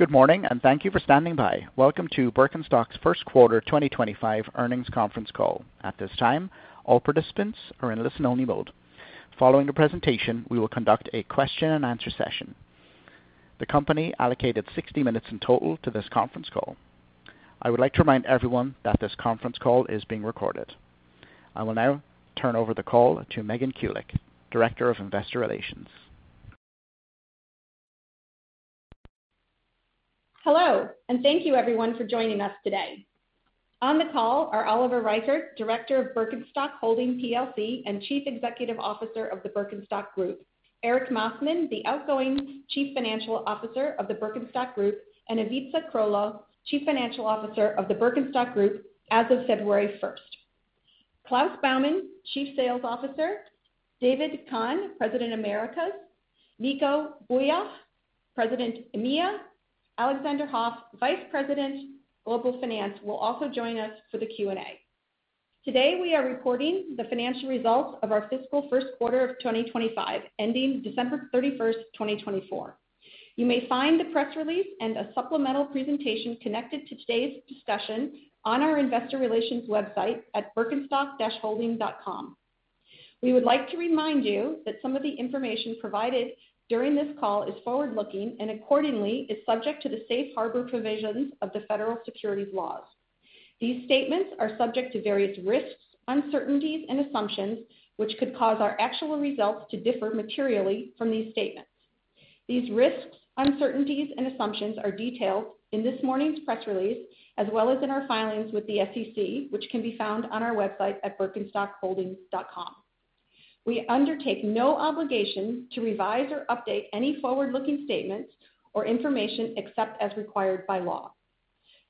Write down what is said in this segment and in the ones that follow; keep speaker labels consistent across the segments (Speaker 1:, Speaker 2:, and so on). Speaker 1: Good morning, and thank you for standing by. Welcome to Birkenstock's First Quarter 2025 Earnings Conference Call. At this time, all participants are in listen-only mode. Following the presentation, we will conduct a question-and-answer session. The company allocated 60 minutes in total to this conference call. I would like to remind everyone that this conference call is being recorded. I will now turn over the call to Megan Kulick, Director of Investor Relations.
Speaker 2: Hello, and thank you, everyone, for joining us today. On the call are Oliver Reichert, Director of Birkenstock Holding plc and Chief Executive Officer of the Birkenstock Group, Erik Massmann, the outgoing Chief Financial Officer of the Birkenstock Group, and Ivica Krolo, Chief Financial Officer of the Birkenstock Group as of February 1st. Klaus Baumann, Chief Sales Officer, David Kahan, President Americas, Nico Bouyakhf, President EMEA, Alexander Hoff, Vice President, Global Finance, will also join us for the Q&A. Today, we are reporting the financial results of our fiscal first quarter of 2025, ending December 31st, 2024. You may find the press release and a supplemental presentation connected to today's discussion on our Investor Relations website at birkenstock-holding.com. We would like to remind you that some of the information provided during this call is forward-looking and, accordingly, is subject to the safe harbor provisions of the federal securities laws. These statements are subject to various risks, uncertainties, and assumptions, which could cause our actual results to differ materially from these statements. These risks, uncertainties, and assumptions are detailed in this morning's press release, as well as in our filings with the SEC, which can be found on our website at birkenstock-holding.com. We undertake no obligation to revise or update any forward-looking statements or information except as required by law.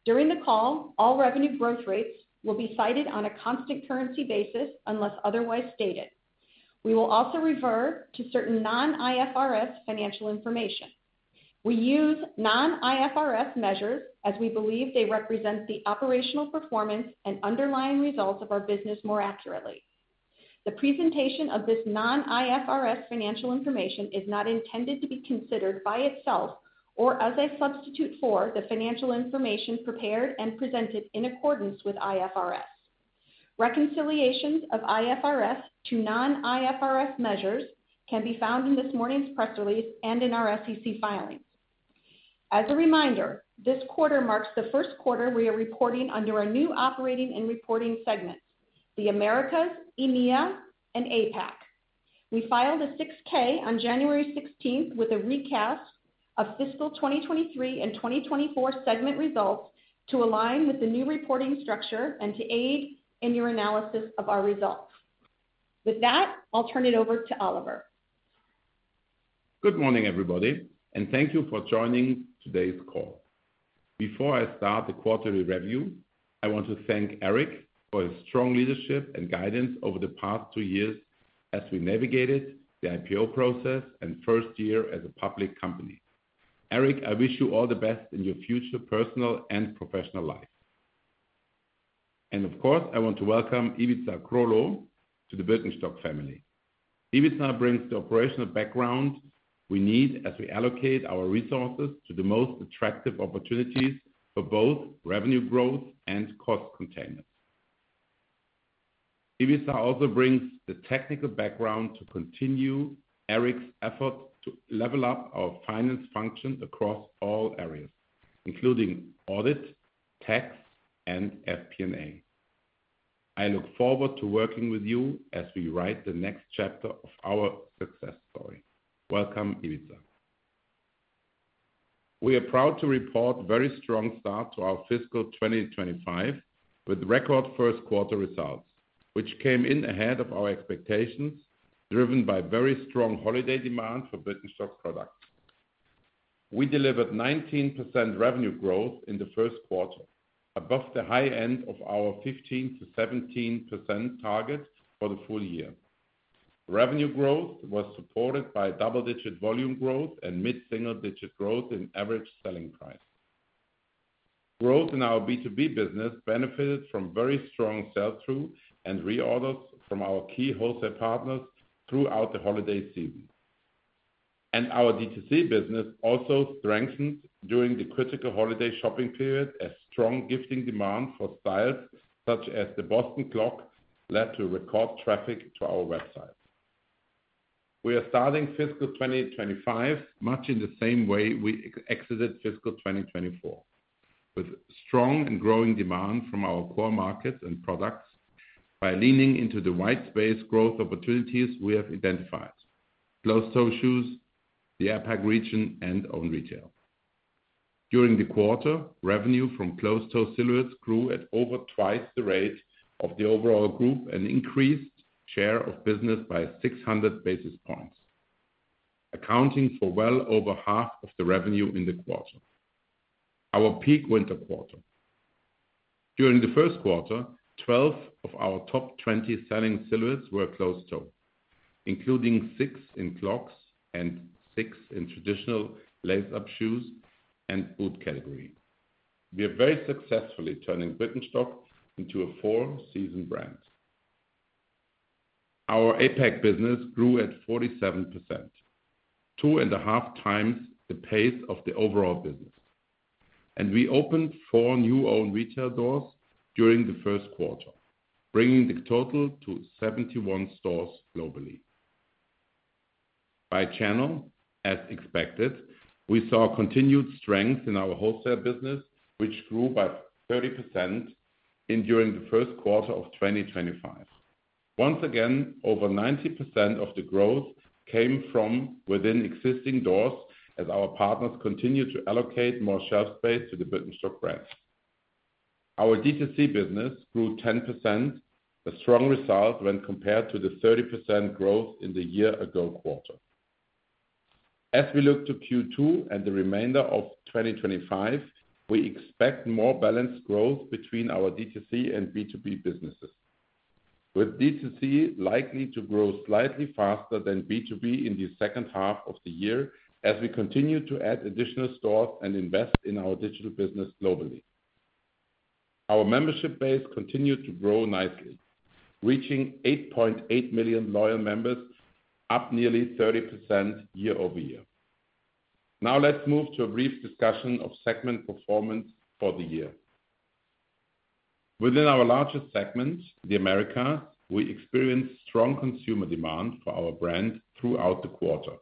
Speaker 2: During the call, all revenue growth rates will be cited on a constant currency basis unless otherwise stated. We will also refer to certain non-IFRS financial information. We use non-IFRS measures as we believe they represent the operational performance and underlying results of our business more accurately. The presentation of this non-IFRS financial information is not intended to be considered by itself or as a substitute for the financial information prepared and presented in accordance with IFRS. Reconciliations of IFRS to non-IFRS measures can be found in this morning's press release and in our SEC filings. As a reminder, this quarter marks the first quarter we are reporting under our new operating and reporting segments: the Americas, EMEA, and APAC. We filed a 6-K on January 16th with a recast of fiscal 2023 and 2024 segment results to align with the new reporting structure and to aid in your analysis of our results. With that, I'll turn it over to Oliver.
Speaker 3: Good morning, everybody, and thank you for joining today's call. Before I start the quarterly review, I want to thank Erik for his strong leadership and guidance over the past two years as we navigated the IPO process and first year as a public company. Erik, I wish you all the best in your future personal and professional life. And, of course, I want to welcome Ivica Krolo to the Birkenstock family. Ivica brings the operational background we need as we allocate our resources to the most attractive opportunities for both revenue growth and cost containment. Ivica also brings the technical background to continue Erik's effort to level up our finance function across all areas, including audit, tax, and FP&A. I look forward to working with you as we write the next chapter of our success story. Welcome, Ivica. We are proud to report a very strong start to our fiscal 2025 with record first quarter results, which came in ahead of our expectations, driven by very strong holiday demand for Birkenstock products. We delivered 19% revenue growth in the first quarter, above the high end of our 15%-17% target for the full year. Revenue growth was supported by double-digit volume growth and mid-single-digit growth in average selling price. Growth in our B2B business benefited from very strong sell-through and reorders from our key wholesale partners throughout the holiday season, and our D2C business also strengthened during the critical holiday shopping period as strong gifting demand for styles such as the Boston clog led to record traffic to our website. We are starting fiscal 2025 much in the same way we exited fiscal 2024, with strong and growing demand from our core markets and products by leaning into the white space growth opportunities we have identified: closed-toe shoes, the APAC region, and own retail. During the quarter, revenue from closed-toe silhouettes grew at over twice the rate of the overall group and increased share of business by 600 basis points, accounting for well over half of the revenue in the quarter. Our peak winter quarter. During the first quarter, 12 of our top 20 selling silhouettes were closed-toe, including 6 in clogs and 6 in traditional lace-up shoes and boot category. We are very successfully turning Birkenstock into a four-season brand. Our APAC business grew at 47%, two and a half times the pace of the overall business. And we opened 4 new own retail doors during the first quarter, bringing the total to 71 stores globally. By channel, as expected, we saw continued strength in our wholesale business, which grew by 30% during the first quarter of 2025. Once again, over 90% of the growth came from within existing doors as our partners continued to allocate more shelf space to the Birkenstock brand. Our D2C business grew 10%, a strong result when compared to the 30% growth in the year-ago quarter. As we look to Q2 and the remainder of 2025, we expect more balanced growth between our D2C and B2B businesses, with D2C likely to grow slightly faster than B2B in the second half of the year as we continue to add additional stores and invest in our digital business globally. Our membership base continued to grow nicely, reaching 8.8 million loyal members, up nearly 30% year-over-year. Now, let's move to a brief discussion of segment performance for the year. Within our largest segment, the Americas, we experienced strong consumer demand for our brand throughout the quarter,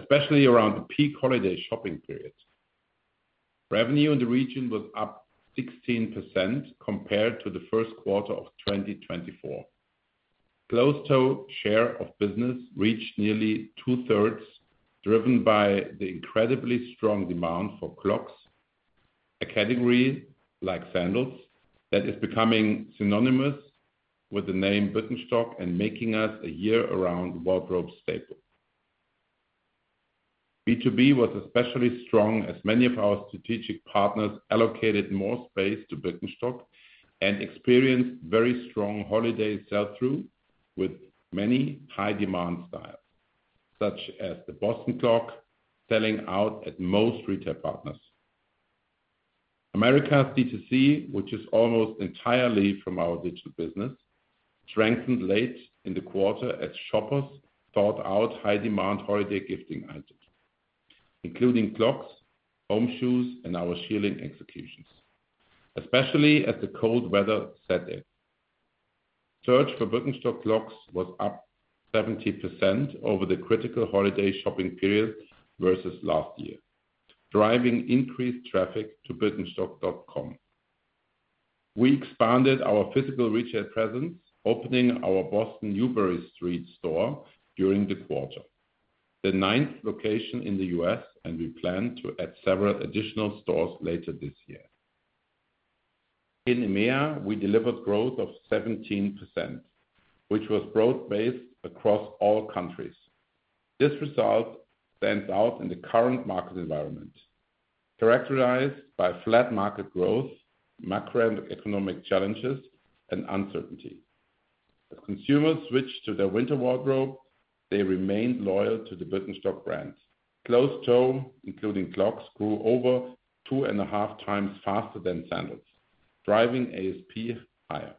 Speaker 3: especially around the peak holiday shopping period. Revenue in the region was up 16% compared to the first quarter of 2024. Closed-toe share of business reached nearly 2/3, driven by the incredibly strong demand for clogs, a category like sandals that is becoming synonymous with the name Birkenstock and making us a year-round wardrobe staple. B2B was especially strong as many of our strategic partners allocated more space to Birkenstock and experienced very strong holiday sell-through with many high-demand styles, such as the Boston Clog selling out at most retail partners. Americas D2C, which is almost entirely from our digital business, strengthened late in the quarter as shoppers sought out high-demand holiday gifting items, including clogs, home shoes, and our shearling executions, especially as the cold weather set in. Search for Birkenstock clogs was up 70% over the critical holiday shopping period versus last year, driving increased traffic to Birkenstock.com. We expanded our physical retail presence, opening our Boston Newbury Street store during the quarter, the ninth location in the U.S., and we plan to add several additional stores later this year. In EMEA, we delivered growth of 17%, which was broad-based across all countries. This result stands out in the current market environment, characterized by flat market growth, macroeconomic challenges, and uncertainty. As consumers switched to their winter wardrobe, they remained loyal to the Birkenstock brand. Closed-toe, including clogs, grew over two and a half times faster than sandals, driving ASP higher.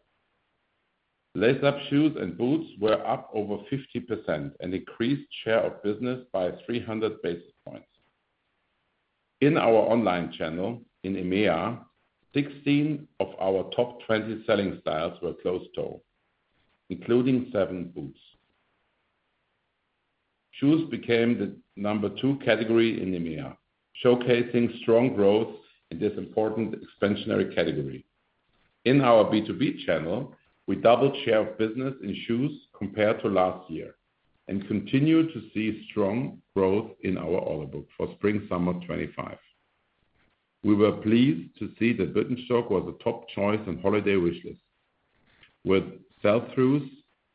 Speaker 3: Lace-up shoes and boots were up over 50% and increased share of business by 300 basis points. In our online channel in EMEA, 16 of our top 20 selling styles were closed-toe, including 7 boots. Shoes became the number two category in EMEA, showcasing strong growth in this important expansionary category. In our B2B channel, we doubled share of business in shoes compared to last year and continue to see strong growth in our order book for spring/summer 2025. We were pleased to see that Birkenstock was a top choice on holiday wishlist, with sell-throughs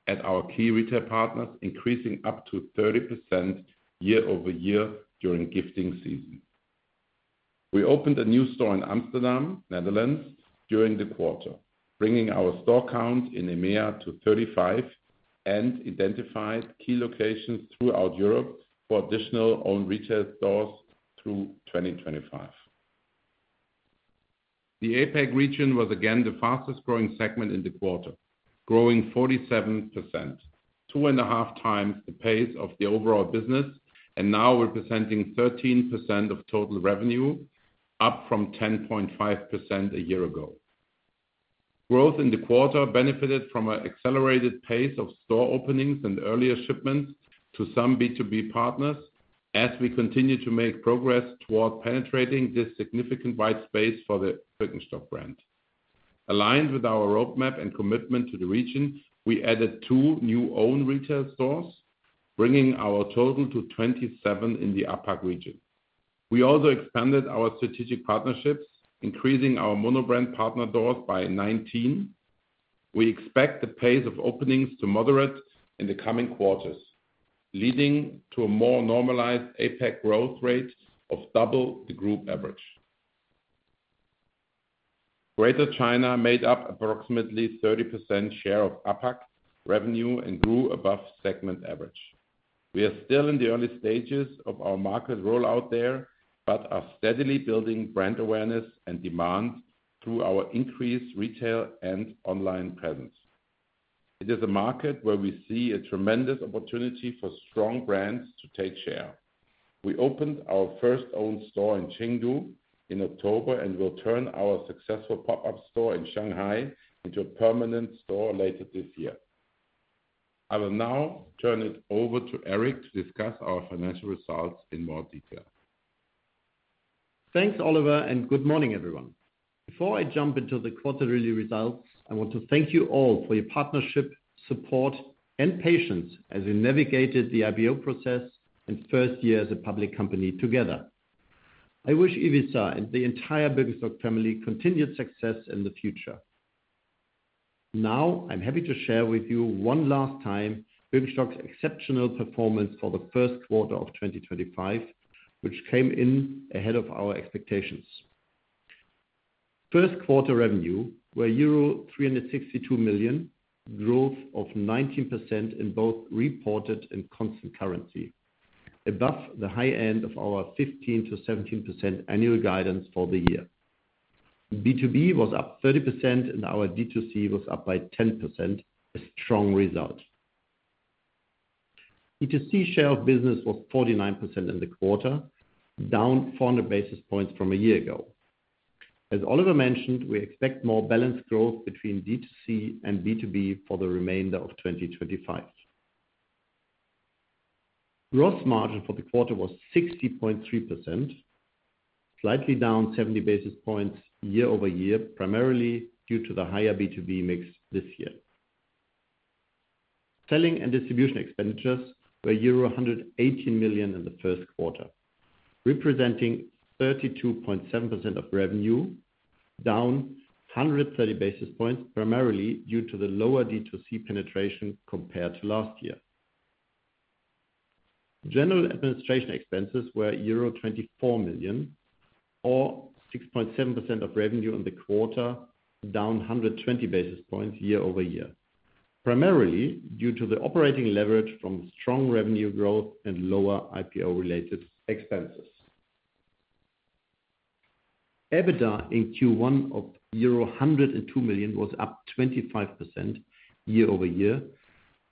Speaker 3: at our key retail partners increasing up to 30% year-over-year during gifting season. We opened a new store in Amsterdam, Netherlands, during the quarter, bringing our store count in EMEA to 35, and identified key locations throughout Europe for additional own retail stores through 2025. The APAC region was again the fastest-growing segment in the quarter, growing 47%, two and a half times the pace of the overall business and now representing 13% of total revenue, up from 10.5% a year ago. Growth in the quarter benefited from an accelerated pace of store openings and earlier shipments to some B2B partners as we continue to make progress toward penetrating this significant white space for the Birkenstock brand. Aligned with our roadmap and commitment to the region, we added two new own retail stores, bringing our total to 27 in the APAC region. We also expanded our strategic partnerships, increasing our monobrand partner doors by 19. We expect the pace of openings to moderate in the coming quarters, leading to a more normalized APAC growth rate of double the group average. Greater China made up approximately 30% share of APAC revenue and grew above segment average. We are still in the early stages of our market rollout there but are steadily building brand awareness and demand through our increased retail and online presence. It is a market where we see a tremendous opportunity for strong brands to take share. We opened our first owned store in Chengdu in October and will turn our successful pop-up store in Shanghai into a permanent store later this year. I will now turn it over to Erik to discuss our financial results in more detail.
Speaker 4: Thanks, Oliver, and good morning, everyone. Before I jump into the quarterly results, I want to thank you all for your partnership, support, and patience as we navigated the IPO process and first year as a public company together. I wish Ivica and the entire Birkenstock family continued success in the future. Now, I'm happy to share with you one last time Birkenstock's exceptional performance for the first quarter of 2025, which came in ahead of our expectations. First quarter revenue were euro 362 million, growth of 19% in both reported and constant currency, above the high end of our 15%-17% annual guidance for the year. B2B was up 30% and our D2C was up by 10%, a strong result. D2C share of business was 49% in the quarter, down 400 basis points from a year ago. As Oliver mentioned, we expect more balanced growth between D2C and B2B for the remainder of 2025. Gross margin for the quarter was 60.3%, slightly down 70 basis points year over year, primarily due to the higher B2B mix this year. Selling and distribution expenditures were euro 118 million in the first quarter, representing 32.7% of revenue, down 130 basis points, primarily due to the lower D2C penetration compared to last year. General administration expenses were euro 24 million, or 6.7% of revenue in the quarter, down 120 basis points year-over-year, primarily due to the operating leverage from strong revenue growth and lower IPO-related expenses. EBITDA in Q1 of euro 102 million was up 25% year-over-year,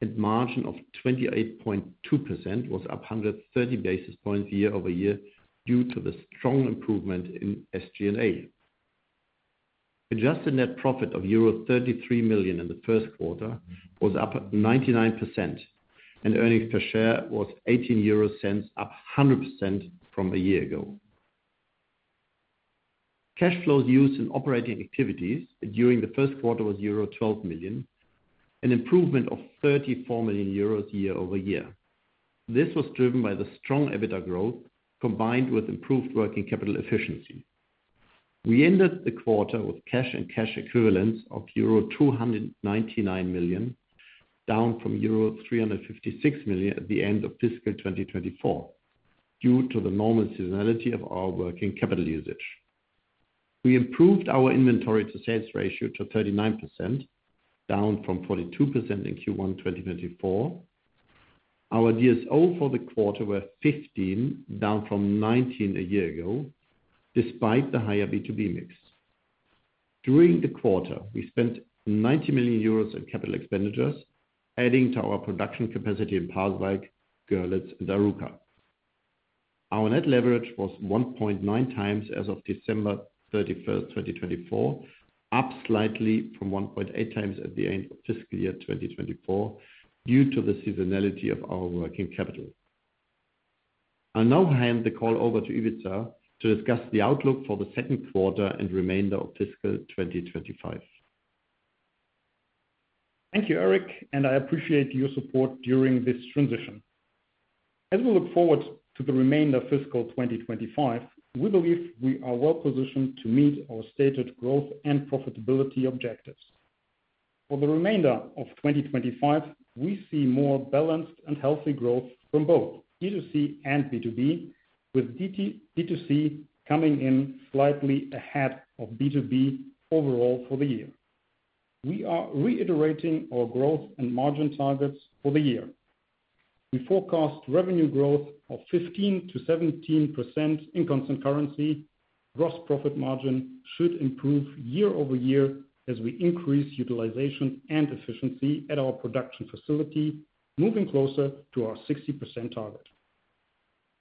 Speaker 4: and margin of 28.2% was up 130 basis points year-over-year due to the strong improvement in SG&A. Adjusted net profit of euro 33 million in the first quarter was up 99%, and earnings per share was 18 euro, up 100% from a year ago. Cash flows used in operating activities during the first quarter was euro 12 million, an improvement of 34 million euros year-over-year. This was driven by the strong EBITDA growth combined with improved working capital efficiency. We ended the quarter with cash and cash equivalents of euro 299 million, down from euro 356 million at the end of fiscal 2024 due to the normal seasonality of our working capital usage. We improved our inventory-to-sales ratio to 39%, down from 42% in Q1 2024. Our DSO for the quarter were 15, down from 19 a year ago, despite the higher B2B mix. During the quarter, we spent 90 million euros in capital expenditures, adding to our production capacity in Pasewalk, Görlitz, and Arouca. Our net leverage was 1.9 times as of December 31, 2024, up slightly from 1.8 times at the end of fiscal year 2024 due to the seasonality of our working capital. I'll now hand the call over to Ivica to discuss the outlook for the second quarter and remainder of fiscal 2025.
Speaker 5: Thank you, Erik, and I appreciate your support during this transition. As we look forward to the remainder of fiscal 2025, we believe we are well positioned to meet our stated growth and profitability objectives. For the remainder of 2025, we see more balanced and healthy growth from both D2C and B2B, with D2C coming in slightly ahead of B2B overall for the year. We are reiterating our growth and margin targets for the year. We forecast revenue growth of 15%-17% in constant currency. Gross profit margin should improve year-over-year as we increase utilization and efficiency at our production facility, moving closer to our 60% target,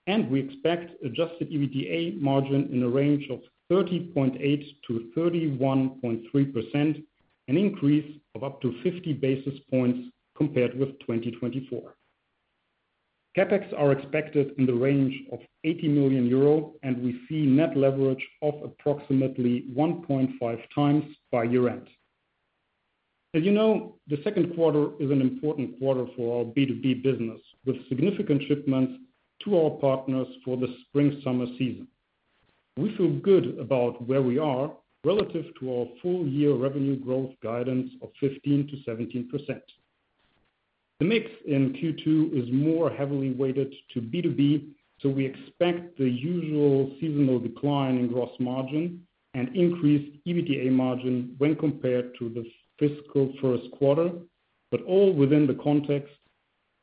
Speaker 5: and we expect Adjusted EBITDA margin in the range of 30.8%-31.3%, an increase of up to 50 basis points compared with 2024. CapEx are expected in the range of 80 million euro, and we see net leverage of approximately 1.5 times by year-end. As you know, the second quarter is an important quarter for our B2B business, with significant shipments to our partners for the spring/summer season. We feel good about where we are relative to our full-year revenue growth guidance of 15%-17%. The mix in Q2 is more heavily weighted to B2B, so we expect the usual seasonal decline in gross margin and increased EBITDA margin when compared to the fiscal first quarter, but all within the context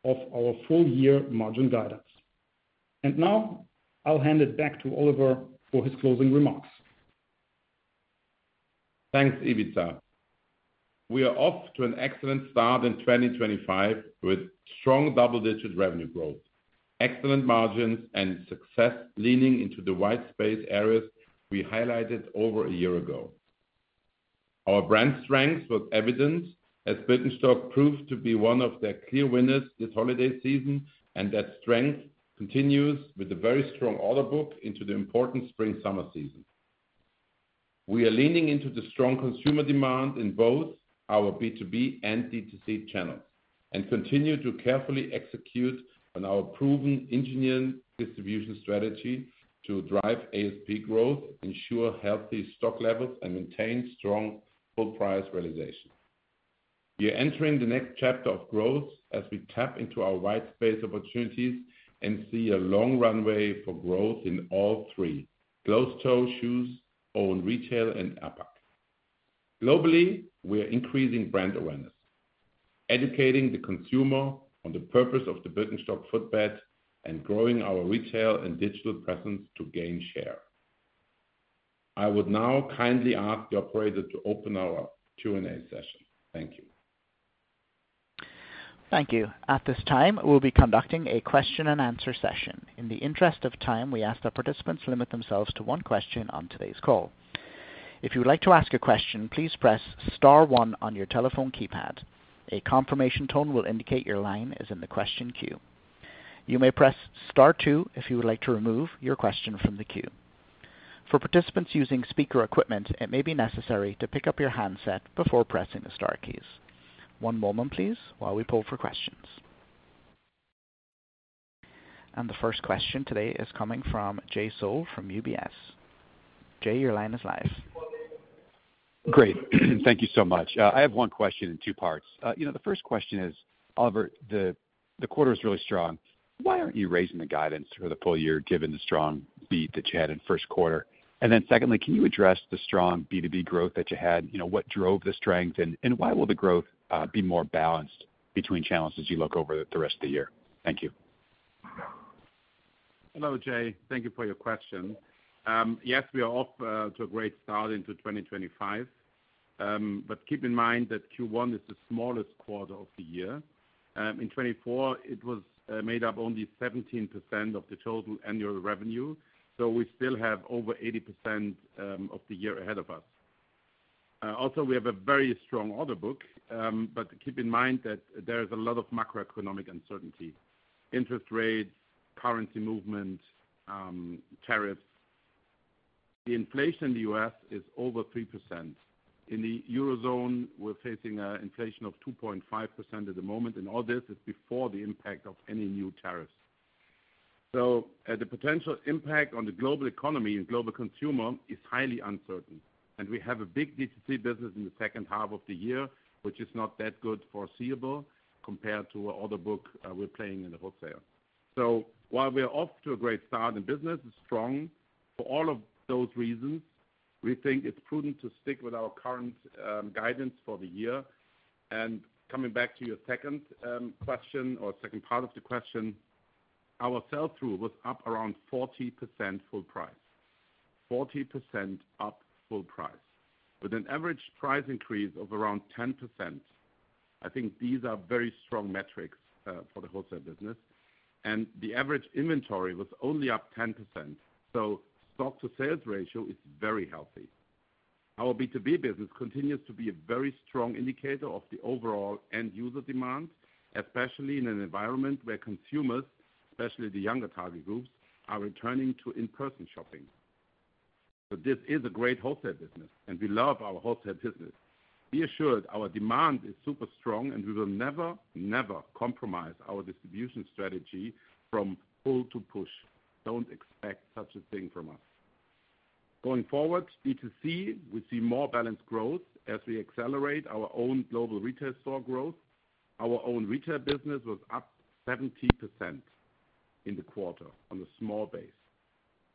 Speaker 5: of our full-year margin guidance. And now, I'll hand it back to Oliver for his closing remarks.
Speaker 3: Thanks, Ivica. We are off to an excellent start in 2025 with strong double-digit revenue growth, excellent margins, and success leaning into the white space areas we highlighted over a year ago. Our brand strength was evident as Birkenstock proved to be one of their clear winners this holiday season, and that strength continues with a very strong order book into the important spring/summer season. We are leaning into the strong consumer demand in both our B2B and D2C channels and continue to carefully execute on our proven engineered distribution strategy to drive ASP growth, ensure healthy stock levels, and maintain strong full-price realization. We are entering the next chapter of growth as we tap into our white space opportunities and see a long runway for growth in all three: closed-toe, shoes, own retail, and APAC. Globally, we are increasing brand awareness, educating the consumer on the purpose of the Birkenstock footbed, and growing our retail and digital presence to gain share. I would now kindly ask the operator to open our Q&A session. Thank you.
Speaker 1: Thank you. At this time, we'll be conducting a question-and-answer session. In the interest of time, we ask that participants limit themselves to one question on today's call. If you would like to ask a question, please press star one on your telephone keypad. A confirmation tone will indicate your line is in the question queue. You may press star two if you would like to remove your question from the queue. For participants using speaker equipment, it may be necessary to pick up your handset before pressing the star keys. One moment, please, while we pull for questions. And the first question today is coming from Jay Sole from UBS. Jay, your line is live.
Speaker 6: Great. Thank you so much. I have one question in two parts. The first question is, Oliver, the quarter is really strong. Why aren't you raising the guidance for the full year given the strong beat that you had in first quarter? And then secondly, can you address the strong B2B growth that you had? What drove the strength, and why will the growth be more balanced between channels as you look over the rest of the year? Thank you.
Speaker 3: Hello, Jay. Thank you for your question. Yes, we are off to a great start into 2025, but keep in mind that Q1 is the smallest quarter of the year. In 2024, it was made up only 17% of the total annual revenue, so we still have over 80% of the year ahead of us. Also, we have a very strong order book, but keep in mind that there is a lot of macroeconomic uncertainty: interest rates, currency movement, tariffs. The inflation in the U.S. is over 3%. In the Eurozone, we're facing an inflation of 2.5% at the moment, and all this is before the impact of any new tariffs. So the potential impact on the global economy and global consumer is highly uncertain, and we have a big D2C business in the second half of the year, which is not that good foreseeable compared to the order book we're playing in the wholesale. So while we are off to a great start in business, it's strong. For all of those reasons, we think it's prudent to stick with our current guidance for the year. And coming back to your second question or second part of the question, our sell-through was up around 40% full price, 40% up full price, with an average price increase of around 10%. I think these are very strong metrics for the wholesale business, and the average inventory was only up 10%. So stock-to-sales ratio is very healthy. Our B2B business continues to be a very strong indicator of the overall end-user demand, especially in an environment where consumers, especially the younger target groups, are returning to in-person shopping. So this is a great wholesale business, and we love our wholesale business. Be assured, our demand is super strong, and we will never, never compromise our distribution strategy from pull to push. Don't expect such a thing from us. Going forward, D2C, we see more balanced growth as we accelerate our own global retail store growth. Our own retail business was up 70% in the quarter on a small base.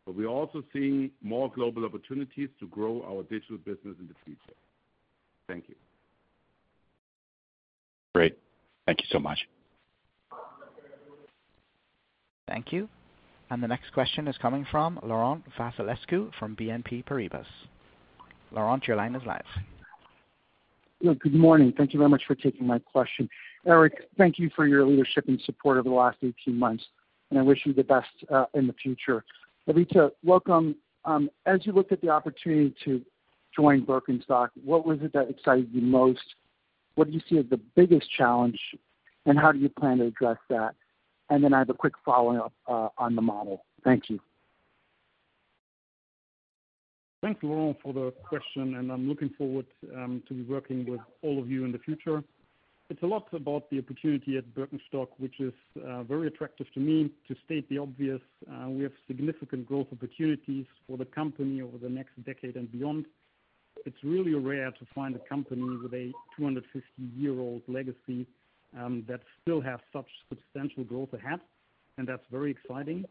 Speaker 3: But we're also seeing more global opportunities to grow our digital business in the future. Thank you.
Speaker 6: Great. Thank you so much.
Speaker 1: Thank you. And the next question is coming from Laurent Vasilescu from BNP Paribas. Laurent, your line is live.
Speaker 7: Good morning. Thank you very much for taking my question. Erik, thank you for your leadership and support over the last 18 months, and I wish you the best in the future. Ivica, welcome. As you looked at the opportunity to join Birkenstock, what was it that excited you most? What do you see as the biggest challenge, and how do you plan to address that? And then I have a quick follow-up on the model. Thank you.
Speaker 5: Thanks, Laurent, for the question, and I'm looking forward to working with all of you in the future. It's a lot about the opportunity at Birkenstock, which is very attractive to me. To state the obvious, we have significant growth opportunities for the company over the next decade and beyond. It's really rare to find a company with a 250-year-old legacy that still has such substantial growth ahead, and that's very exciting.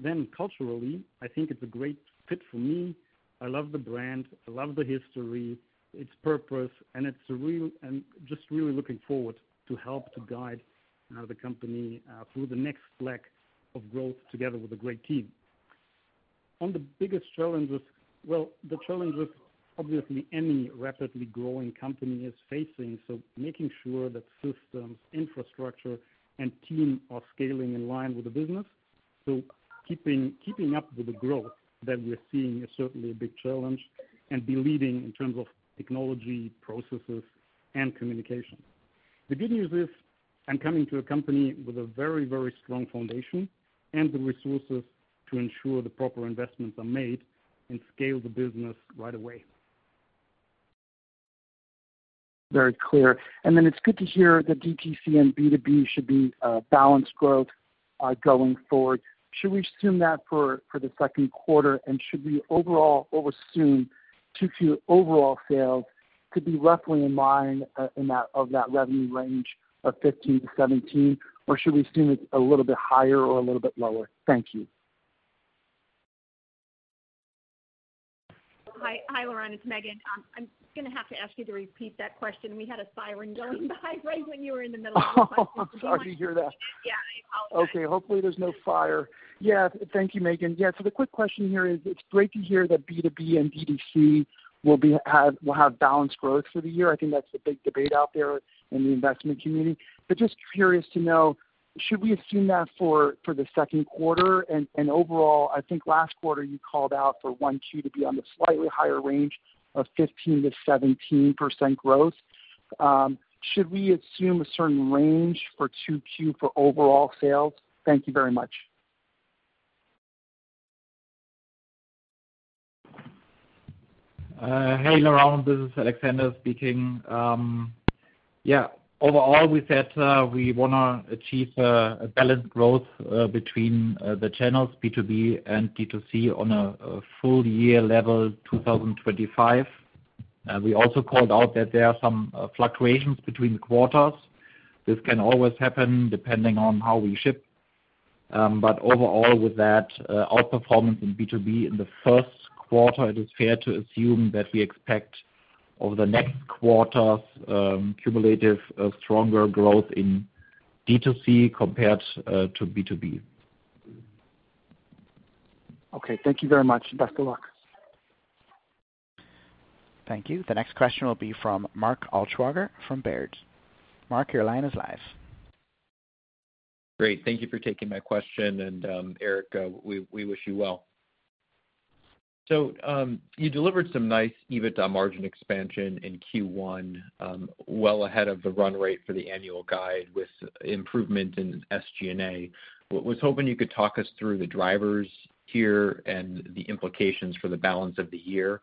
Speaker 5: Then culturally, I think it's a great fit for me. I love the brand. I love the history, its purpose, and it's a real and just really looking forward to help to guide the company through the next leg of growth together with a great team. On the biggest challenges, well, the challenges obviously any rapidly growing company is facing, so making sure that systems, infrastructure, and team are scaling in line with the business. So, keeping up with the growth that we're seeing is certainly a big challenge and being leading in terms of technology, processes, and communication. The good news is I'm coming to a company with a very, very strong foundation and the resources to ensure the proper investments are made and scale the business right away.
Speaker 7: Very clear. And then it's good to hear that D2C and B2B should be balanced growth going forward. Should we assume that for the second quarter, and should we overall assume too few overall sales to be roughly in line with that revenue range of 15-17, or should we assume it's a little bit higher or a little bit lower? Thank you.
Speaker 2: Hi, Laurent. It's Megan. I'm going to have to ask you to repeat that question. We had a siren going by right when you were in the middle of the question.
Speaker 7: I'll have to hear that.
Speaker 2: Yeah, I apologize.
Speaker 7: Okay. Hopefully, there's no fire. Yeah. Thank you, Megan. Yeah. So the quick question here is it's great to hear that B2B and D2C will have balanced growth for the year. I think that's the big debate out there in the investment community. But just curious to know, should we assume that for the second quarter? And overall, I think last quarter, you called out for 1Q to be on the slightly higher range of 15%-17% growth. Should we assume a certain range for 2Q for overall sales? Thank you very much.
Speaker 8: Hey, Laurent. This is Alexander speaking. Yeah. Overall, we said we want to achieve a balanced growth between the channels, B2B and D2C, on a full-year level 2025. We also called out that there are some fluctuations between quarters. This can always happen depending on how we ship. But overall, with that outperformance in B2B in the first quarter, it is fair to assume that we expect over the next quarter cumulative stronger growth in D2C compared to B2B.
Speaker 9: Okay. Thank you very much. Best of luck.
Speaker 1: Thank you. The next question will be from Mark Altschwager from Baird. Mark, your line is live.
Speaker 10: Great. Thank you for taking my question. And Erik, we wish you well. So you delivered some nice EBITDA margin expansion in Q1, well ahead of the run rate for the annual guide with improvement in SG&A. I was hoping you could talk us through the drivers here and the implications for the balance of the year.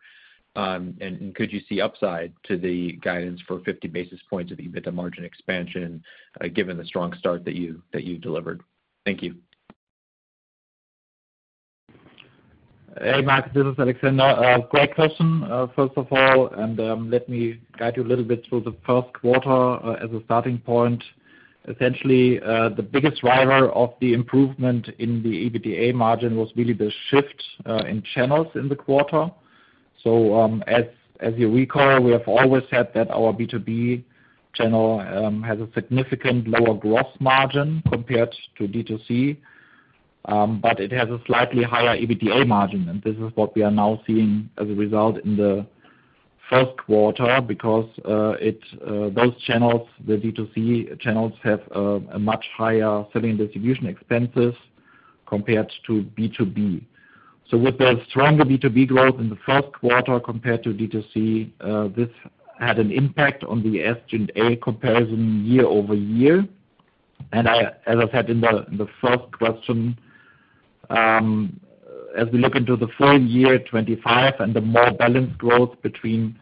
Speaker 10: And could you see upside to the guidance for 50 basis points of EBITDA margin expansion given the strong start that you delivered? Thank you.
Speaker 8: Hey, Mark. This is Alexander. Great question, first of all, and let me guide you a little bit through the first quarter as a starting point. Essentially, the biggest driver of the improvement in the EBITDA margin was really the shift in channels in the quarter, so as you recall, we have always said that our B2B channel has a significant lower gross margin compared to D2C, but it has a slightly higher EBITDA margin, and this is what we are now seeing as a result in the first quarter because those channels, the D2C channels, have a much higher selling distribution expenses compared to B2B, so with the stronger B2B growth in the first quarter compared to D2C, this had an impact on the SG&A comparison year-over-year. As I said in the first question, as we look into the full year 2025 and the more balanced growth between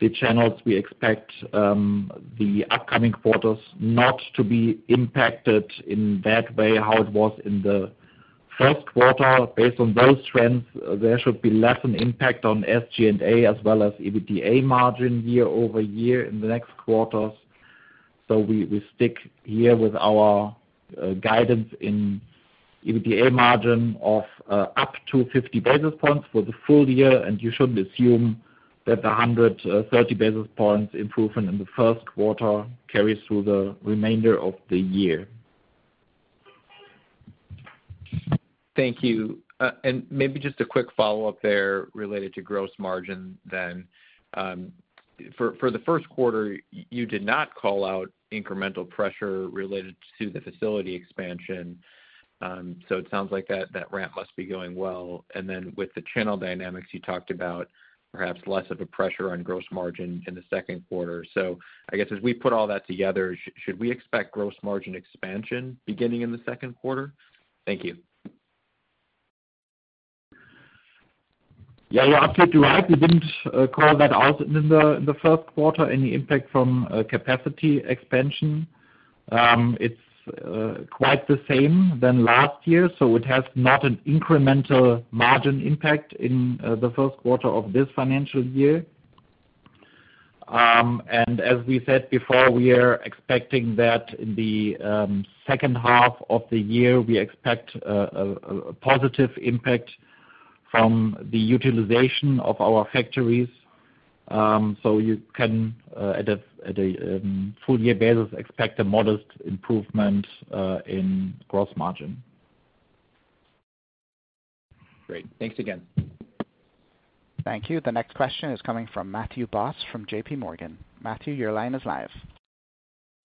Speaker 8: the channels, we expect the upcoming quarters not to be impacted in that way how it was in the first quarter. Based on those trends, there should be less an impact on SG&A as well as EBITDA margin year over year in the next quarters. We stick here with our guidance in EBITDA margin of up to 50 basis points for the full year, and you shouldn't assume that the 130 basis points improvement in the first quarter carries through the remainder of the year.
Speaker 10: Thank you. And maybe just a quick follow-up there related to gross margin then. For the first quarter, you did not call out incremental pressure related to the facility expansion. So it sounds like that ramp must be going well. And then with the channel dynamics you talked about, perhaps less of a pressure on gross margin in the second quarter. So I guess as we put all that together, should we expect gross margin expansion beginning in the second quarter? Thank you.
Speaker 8: Yeah. You're absolutely right. We didn't call that out in the first quarter, any impact from capacity expansion. It's quite the same as last year, so it has not an incremental margin impact in the first quarter of this financial year. As we said before, we are expecting that in the second half of the year, we expect a positive impact from the utilization of our factories. You can, at a full-year basis, expect a modest improvement in gross margin.
Speaker 10: Great. Thanks again.
Speaker 1: Thank you. The next question is coming from Matthew Boss from JPMorgan. Matthew, your line is live.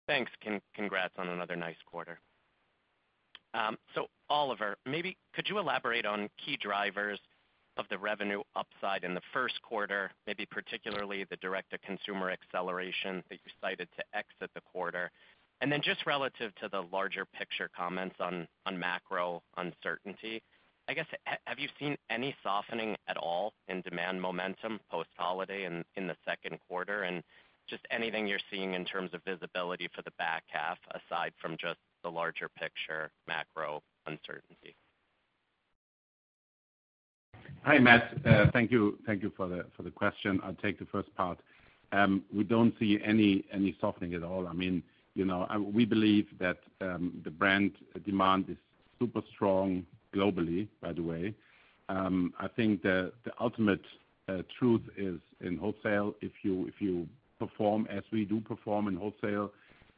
Speaker 11: Thanks. Congrats on another nice quarter. So Oliver, maybe could you elaborate on key drivers of the revenue upside in the first quarter, maybe particularly the direct-to-consumer acceleration that you cited at the quarter? And then just relative to the larger picture comments on macro uncertainty, I guess, have you seen any softening at all in demand momentum post-holiday in the second quarter? And just anything you're seeing in terms of visibility for the back half aside from just the larger picture macro uncertainty?
Speaker 12: Hi, Matt. Thank you for the question. I'll take the first part. We don't see any softening at all. I mean, we believe that the brand demand is super strong globally, by the way. I think the ultimate truth is in wholesale. If you perform as we do perform in wholesale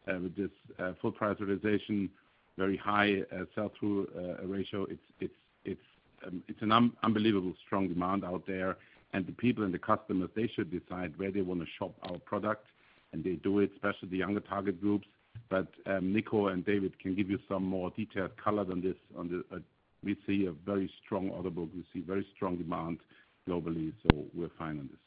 Speaker 12: with this full-price realization, very high sell-through ratio, it's an unbelievably strong demand out there. And the people and the customers, they should decide where they want to shop our product, and they do it, especially the younger target groups. But Nico and David can give you some more detailed color than this. We see a very strong order book. We see very strong demand globally, so we're fine on this.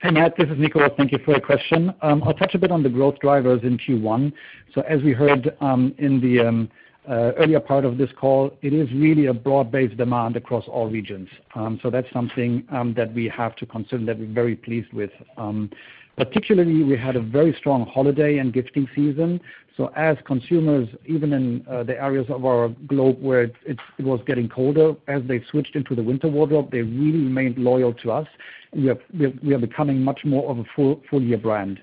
Speaker 13: Hey, Matt. This is Nico. Thank you for your question. I'll touch a bit on the growth drivers in Q1. So as we heard in the earlier part of this call, it is really a broad-based demand across all regions. So that's something that we have to consider that we're very pleased with. Particularly, we had a very strong holiday and gifting season. So as consumers, even in the areas of our globe where it was getting colder, as they switched into the winter wardrobe, they really remained loyal to us. We are becoming much more of a full-year brand.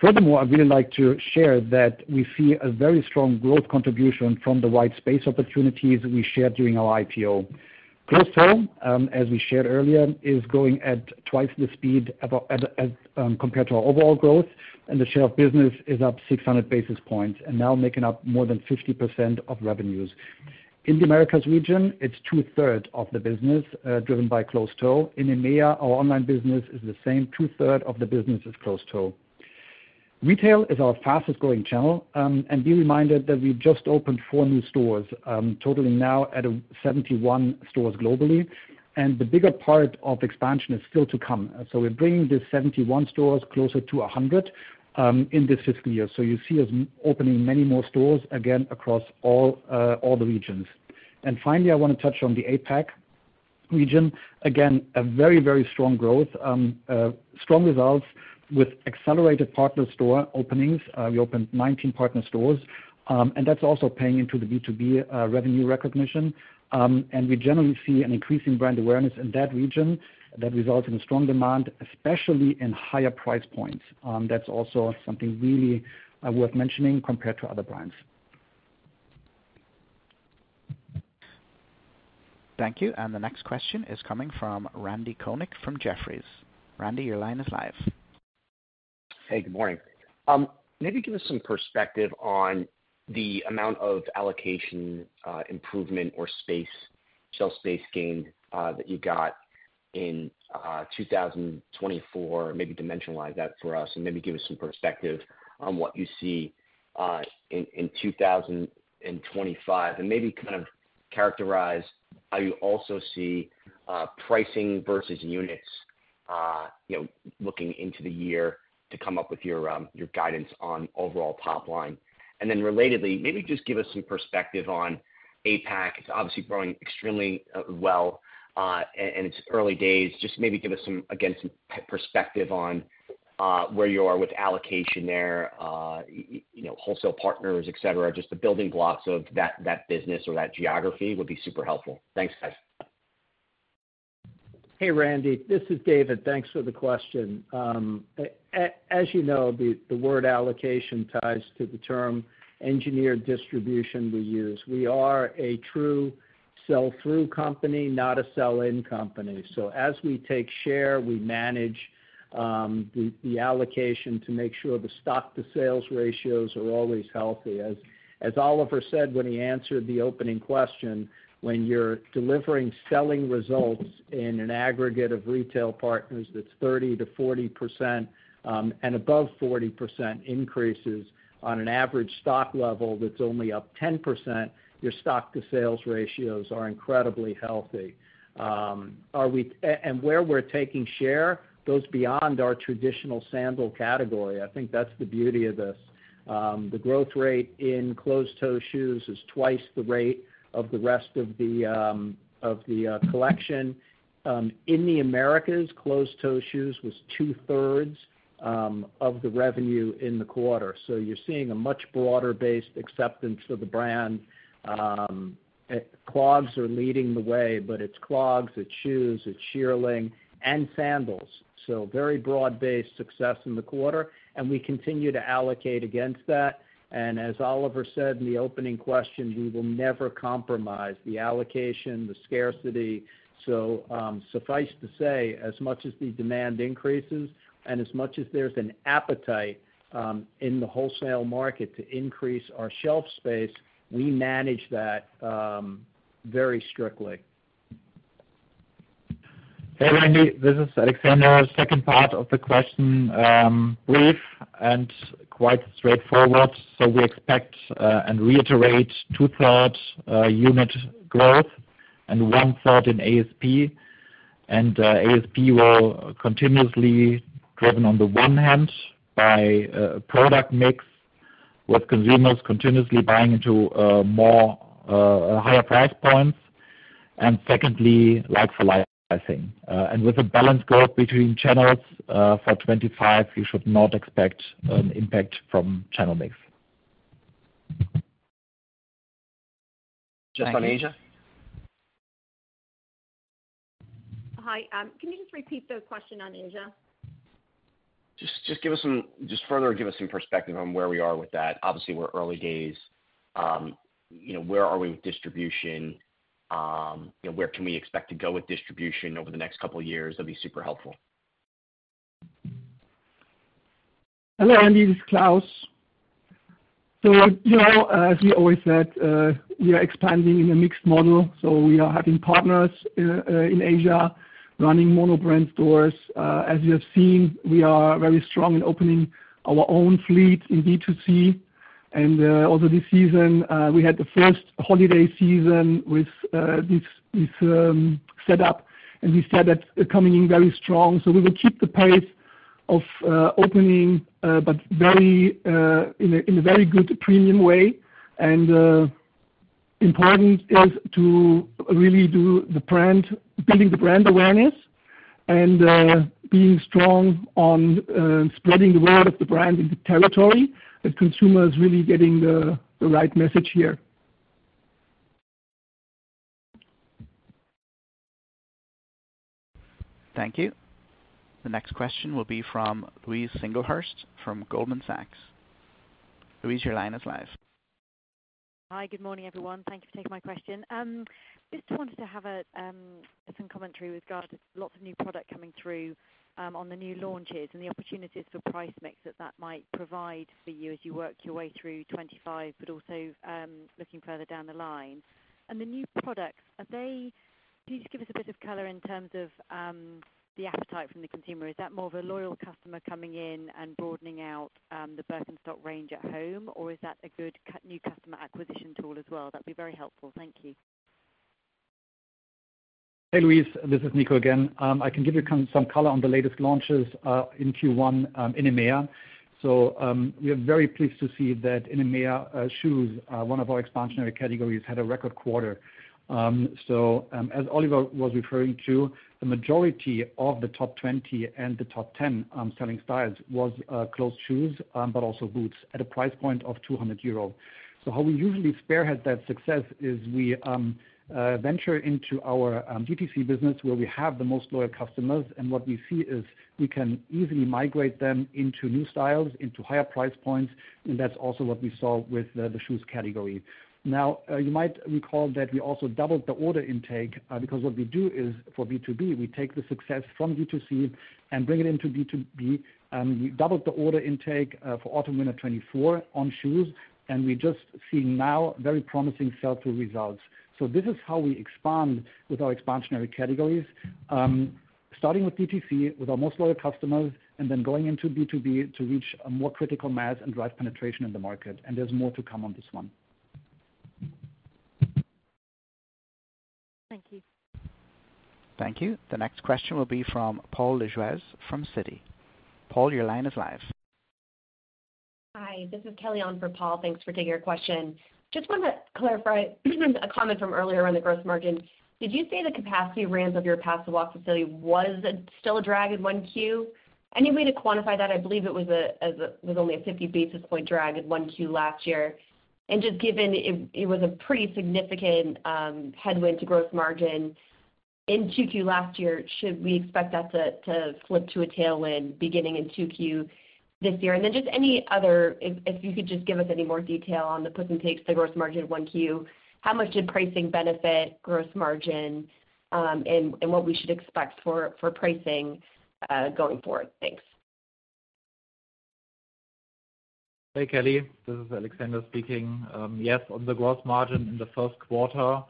Speaker 13: Furthermore, I'd really like to share that we see a very strong growth contribution from the white space opportunities we shared during our IPO. Closed-toe, as we shared earlier, is growing at twice the speed compared to our overall growth, and the share of business is up 600 basis points and now making up more than 50% of revenues. In the Americas region, it's 2/3 of the business driven by closed-toe. In EMEA, our online business is the same. 2/3 of the business is closed-toe. Retail is our fastest-growing channel. And be reminded that we just opened four new stores, totaling now at 71 stores globally. And the bigger part of expansion is still to come. So we're bringing these 71 stores closer to 100 in this fiscal year. So you see us opening many more stores again across all the regions. And finally, I want to touch on the APAC region. Again, a very, very strong growth, strong results with accelerated partner store openings. We opened 19 partner stores, and that's also paying into the B2B revenue recognition and we generally see an increasing brand awareness in that region that results in a strong demand, especially in higher price points. That's also something really worth mentioning compared to other brands.
Speaker 1: Thank you. The next question is coming from Randy Konik from Jefferies. Randy, your line is live.
Speaker 14: Hey, good morning. Maybe give us some perspective on the amount of allocation improvement or shelf space gained that you got in 2024, maybe dimensionalize that for us, and maybe give us some perspective on what you see in 2025, and maybe kind of characterize how you also see pricing versus units looking into the year to come up with your guidance on overall top line, and then relatedly, maybe just give us some perspective on APAC. It's obviously growing extremely well, and it's early days. Just maybe give us, again, some perspective on where you are with allocation there, wholesale partners, etc., just the building blocks of that business or that geography would be super helpful. Thanks, guys.
Speaker 15: Hey, Randy. This is David. Thanks for the question. As you know, the word allocation ties to the term engineered distribution we use. We are a true sell-through company, not a sell-in company. So as we take share, we manage the allocation to make sure the stock-to-sales ratios are always healthy. As Oliver said when he answered the opening question, when you're delivering selling results in an aggregate of retail partners that's 30%-40% and above 40% increases on an average stock level that's only up 10%, your stock-to-sales ratios are incredibly healthy. And where we're taking share, those beyond our traditional sandal category, I think that's the beauty of this. The growth rate in closed-toe shoes is twice the rate of the rest of the collection. In the Americas, closed-toe shoes was 2/3 of the revenue in the quarter. So you're seeing a much broader-based acceptance of the brand. Clogs are leading the way, but it's clogs, it's shoes, it's shearling, and sandals. So very broad-based success in the quarter. And we continue to allocate against that. And as Oliver said in the opening question, we will never compromise the allocation, the scarcity. So suffice to say, as much as the demand increases and as much as there's an appetite in the wholesale market to increase our shelf space, we manage that very strictly.
Speaker 8: Hey, Randy. This is Alexander. Second part of the question, brief and quite straightforward. So we expect and reiterate 2/3 unit growth and one-third in ASP. And ASP will continuously driven on the one hand by product mix with consumers continuously buying into higher price points. And secondly, like for licensing. With a balanced growth between channels for 2025, you should not expect an impact from channel mix.
Speaker 14: Just on Asia?
Speaker 2: Hi. Can you just repeat the question on Asia?
Speaker 16: Just further give us some perspective on where we are with that. Obviously, we're early days. Where are we with distribution? Where can we expect to go with distribution over the next couple of years? That'd be super helpful.
Speaker 17: Hello, Randy. This is Klaus. So as we always said, we are expanding in a mixed model. So we are having partners in Asia running monobrand stores. As you have seen, we are very strong in opening our own fleet in B2C. And also this season, we had the first holiday season with this setup, and we said that coming in very strong. So we will keep the pace of opening, but in a very good premium way. And important is to really do the brand, building the brand awareness and being strong on spreading the word of the brand in the territory that consumers are really getting the right message here.
Speaker 1: Thank you. The next question will be from Louise Singlehurst from Goldman Sachs. Louise, your line is live.
Speaker 18: Hi. Good morning, everyone. Thank you for taking my question. Just wanted to have some commentary with regard to lots of new product coming through on the new launches and the opportunities for price mix that that might provide for you as you work your way through 2025, but also looking further down the line, and the new products, do you just give us a bit of color in terms of the appetite from the consumer? Is that more of a loyal customer coming in and broadening out the Birkenstock range at home, or is that a good new customer acquisition tool as well? That'd be very helpful. Thank you.
Speaker 13: Hey, Louise. This is Nico again. I can give you some color on the latest launches in Q1 in EMEA. So we are very pleased to see that in EMEA, shoes, one of our expansionary categories, had a record quarter. So as Oliver was referring to, the majority of the top 20 and the top 10 selling styles was closed shoes, but also boots at a price point of €200. So how we usually spearhead that success is we venture into our B2C business where we have the most loyal customers. And what we see is we can easily migrate them into new styles, into higher price points. And that's also what we saw with the shoes category. Now, you might recall that we also doubled the order intake because what we do is for B2B, we take the success from B2C and bring it into B2B. We doubled the order intake for Autumn Winter 2024 on shoes, and we just see now very promising sell-through results. So this is how we expand with our expansionary categories, starting with B2C with our most loyal customers and then going into B2B to reach more critical mass and drive penetration in the market. And there's more to come on this one.
Speaker 18: Thank you.
Speaker 1: Thank you. The next question will be from Paul Lejuez from Citi. Paul, your line is live.
Speaker 19: Hi. This is Kelly on for Paul. Thanks for taking our question. Just wanted to clarify a comment from earlier on the gross margin. Did you say the capacity ramp of your Pasewalk facility was still a drag in 1Q? Any way to quantify that? I believe it was only a 50 basis point drag in 1Q last year. And just given it was a pretty significant headwind to gross margin in 2Q last year, should we expect that to flip to a tailwind beginning in 2Q this year? And then just any other, if you could just give us any more detail on the puts and takes, the gross margin of 1Q, how much did pricing benefit gross margin and what we should expect for pricing going forward? Thanks.
Speaker 8: Hey, Kelly. This is Alexander speaking. Yes, on the gross margin in the first quarter,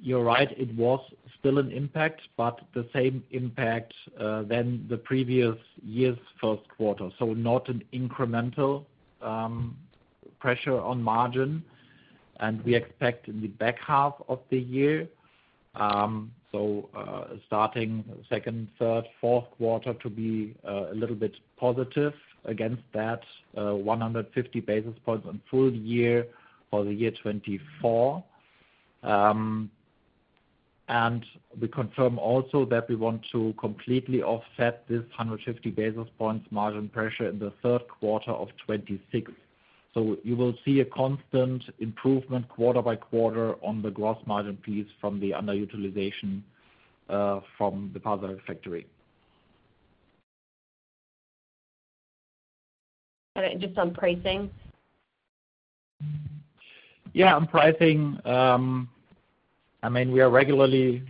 Speaker 8: you're right, it was still an impact, but the same impact than the previous year's first quarter. So not an incremental pressure on margin. We expect in the back half of the year, so starting second, third, fourth quarter to be a little bit positive against that 150 basis points on full year for the year 2024. We confirm also that we want to completely offset this 150 basis points margin pressure in the third quarter of 2026. You will see a constant improvement quarter by quarter on the gross margin piece from the underutilization from the Pasewalk factory.
Speaker 19: Just on pricing?
Speaker 8: Yeah, on pricing, I mean, we are regularly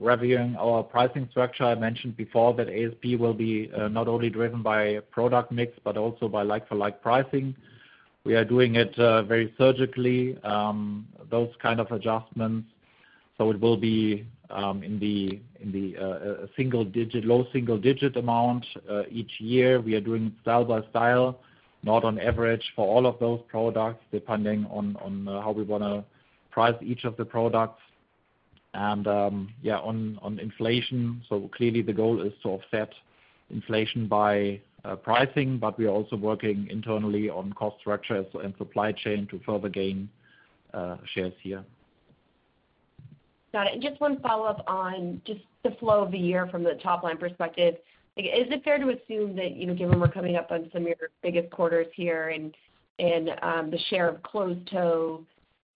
Speaker 8: reviewing our pricing structure. I mentioned before that ASP will be not only driven by product mix, but also by like-for-like pricing. We are doing it very surgically, those kind of adjustments. So it will be in the low single-digit amount each year. We are doing it style by style, not on average for all of those products, depending on how we want to price each of the products. And yeah, on inflation. So clearly, the goal is to offset inflation by pricing, but we are also working internally on cost structures and supply chain to further gain shares here.
Speaker 19: Got it. And just one follow-up on just the flow of the year from the top line perspective. Is it fair to assume that given we're coming up on some of your biggest quarters here and the share of closed-toe,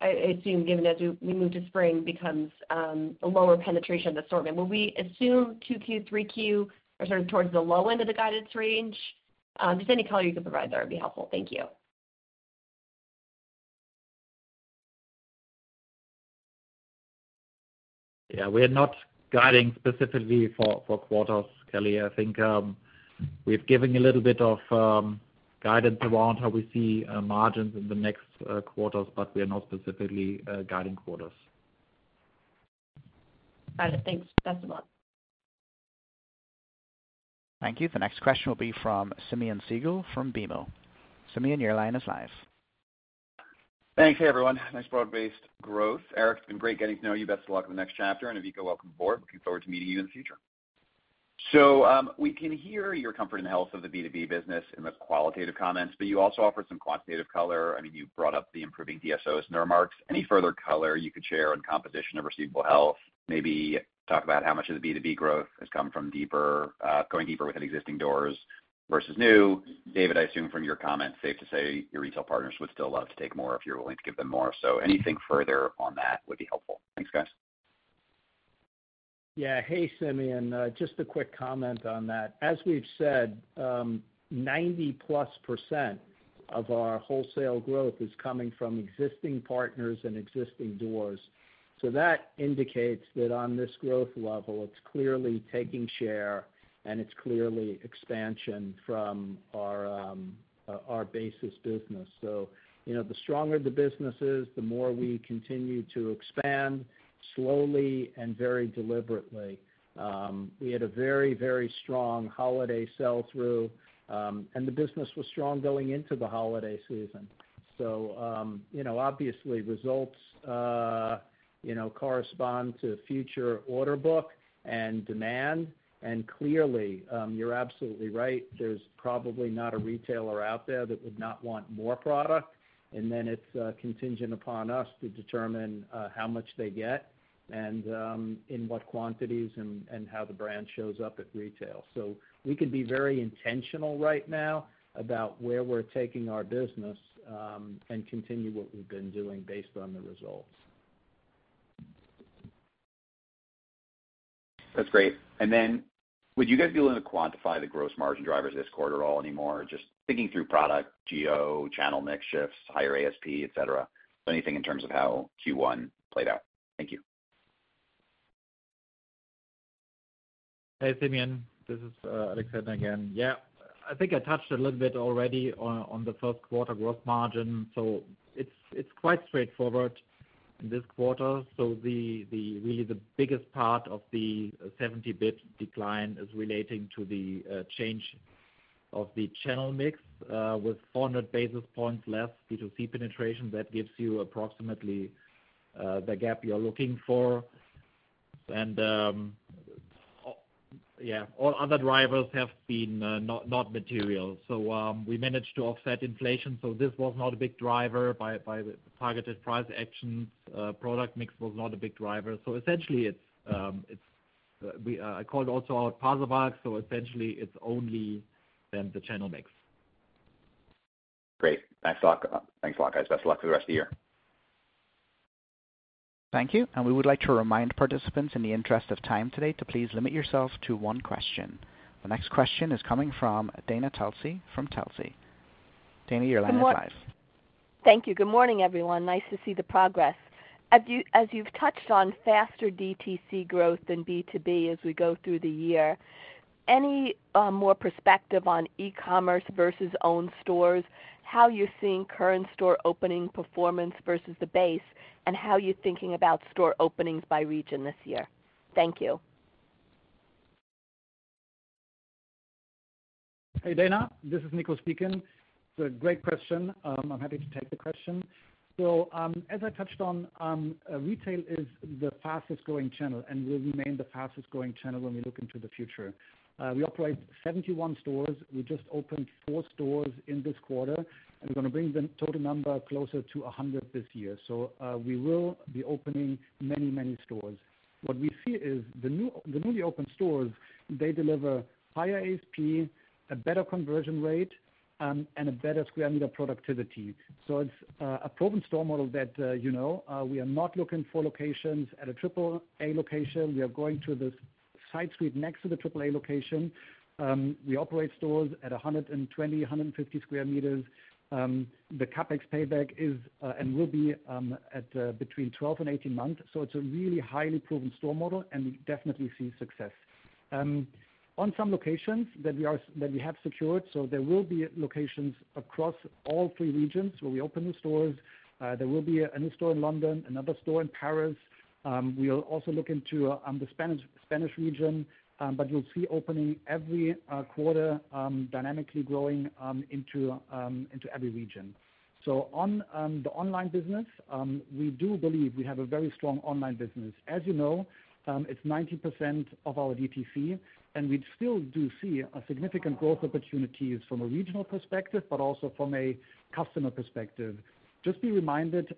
Speaker 19: I assume given as we move to spring becomes a lower penetration of the sort of, will we assume 2Q, 3Q are sort of towards the low end of the guidance range? Just any color you can provide there would be helpful. Thank you.
Speaker 8: Yeah. We are not guiding specifically for quarters, Kelly. I think we've given a little bit of guidance around how we see margins in the next quarters, but we are not specifically guiding quarters.
Speaker 19: Got it. Thanks. Best of luck.
Speaker 1: Thank you. The next question will be from Simeon Siegel from BMO. Simeon, your line is live.
Speaker 20: Thanks, everyone. Thanks for broad-based growth. Erik, it's been great getting to know you. Best of luck in the next chapter, and Ivica, welcome aboard. Looking forward to meeting you in the future, so we can hear your comfort in the health of the B2B business in the qualitative comments, but you also offered some quantitative color. I mean, you brought up the improving DSOs in your remarks. Any further color you could share on composition of receivable health? Maybe talk about how much of the B2B growth has come from going deeper with existing doors versus new. David, I assume from your comments, safe to say your retail partners would still love to take more if you're willing to give them more, so anything further on that would be helpful. Thanks, guys.
Speaker 15: Yeah. Hey, Simeon. Just a quick comment on that. As we've said, 90-plus% of our wholesale growth is coming from existing partners and existing doors. So that indicates that on this growth level, it's clearly taking share and it's clearly expansion from our basis business. So the stronger the business is, the more we continue to expand slowly and very deliberately. We had a very, very strong holiday sell-through, and the business was strong going into the holiday season. So obviously, results correspond to future order book and demand. And clearly, you're absolutely right. There's probably not a retailer out there that would not want more product. And then it's contingent upon us to determine how much they get and in what quantities and how the brand shows up at retail. So we can be very intentional right now about where we're taking our business and continue what we've been doing based on the results.
Speaker 20: That's great. And then would you guys be able to quantify the gross margin drivers this quarter at all anymore? Just thinking through product, GO, channel mix shifts, higher ASP, etc. So anything in terms of how Q1 played out? Thank you.
Speaker 8: Hey, Simeon. This is Alexander again. Yeah. I think I touched a little bit already on the first quarter gross margin. So it's quite straightforward in this quarter. So really, the biggest part of the 70 basis point decline is relating to the change of the channel mix with 400 basis points less B2C penetration. That gives you approximately the gap you're looking for. And yeah, all other drivers have been not material. So we managed to offset inflation. So this was not a big driver by targeted price actions. Product mix was not a big driver. So essentially, I called also out Pasewalk. So essentially, it's only then the channel mix.
Speaker 20: Great. Thanks a lot. Thanks a lot, guys. Best of luck for the rest of the year.
Speaker 1: Thank you. And we would like to remind participants in the interest of time today to please limit yourself to one question. The next question is coming from Dana Telsey from Telsey. Dana, your line is live.
Speaker 21: Thank you. Good morning, everyone. Nice to see the progress. As you've touched on faster DTC growth than B2B as we go through the year, any more perspective on e-commerce versus own stores, how you're seeing current store opening performance versus the base, and how you're thinking about store openings by region this year? Thank you.
Speaker 13: Hey, Dana. This is Nico speaking. It's a great question. I'm happy to take the question. So as I touched on, retail is the fastest growing channel and will remain the fastest growing channel when we look into the future. We operate 71 stores. We just opened four stores in this quarter, and we're going to bring the total number closer to 100 this year. So we will be opening many, many stores. What we see is the newly opened stores, they deliver higher ASP, a better conversion rate, and a better square meter productivity. So it's a proven store model that you know. We are not looking for locations at a AAA location. We are going to the side street next to the AAA location. We operate stores at 120, 150 square meters. The CapEx payback is and will be between 12 and 18 months. It's a really highly proven store model, and we definitely see success. On some locations that we have secured, so there will be locations across all three regions where we open new stores. There will be a new store in London, another store in Paris. We'll also look into the Spanish region, but you'll see opening every quarter, dynamically growing into every region. On the online business, we do believe we have a very strong online business. As you know, it's 90% of our DTC, and we still do see significant growth opportunities from a regional perspective, but also from a customer perspective. Just be reminded,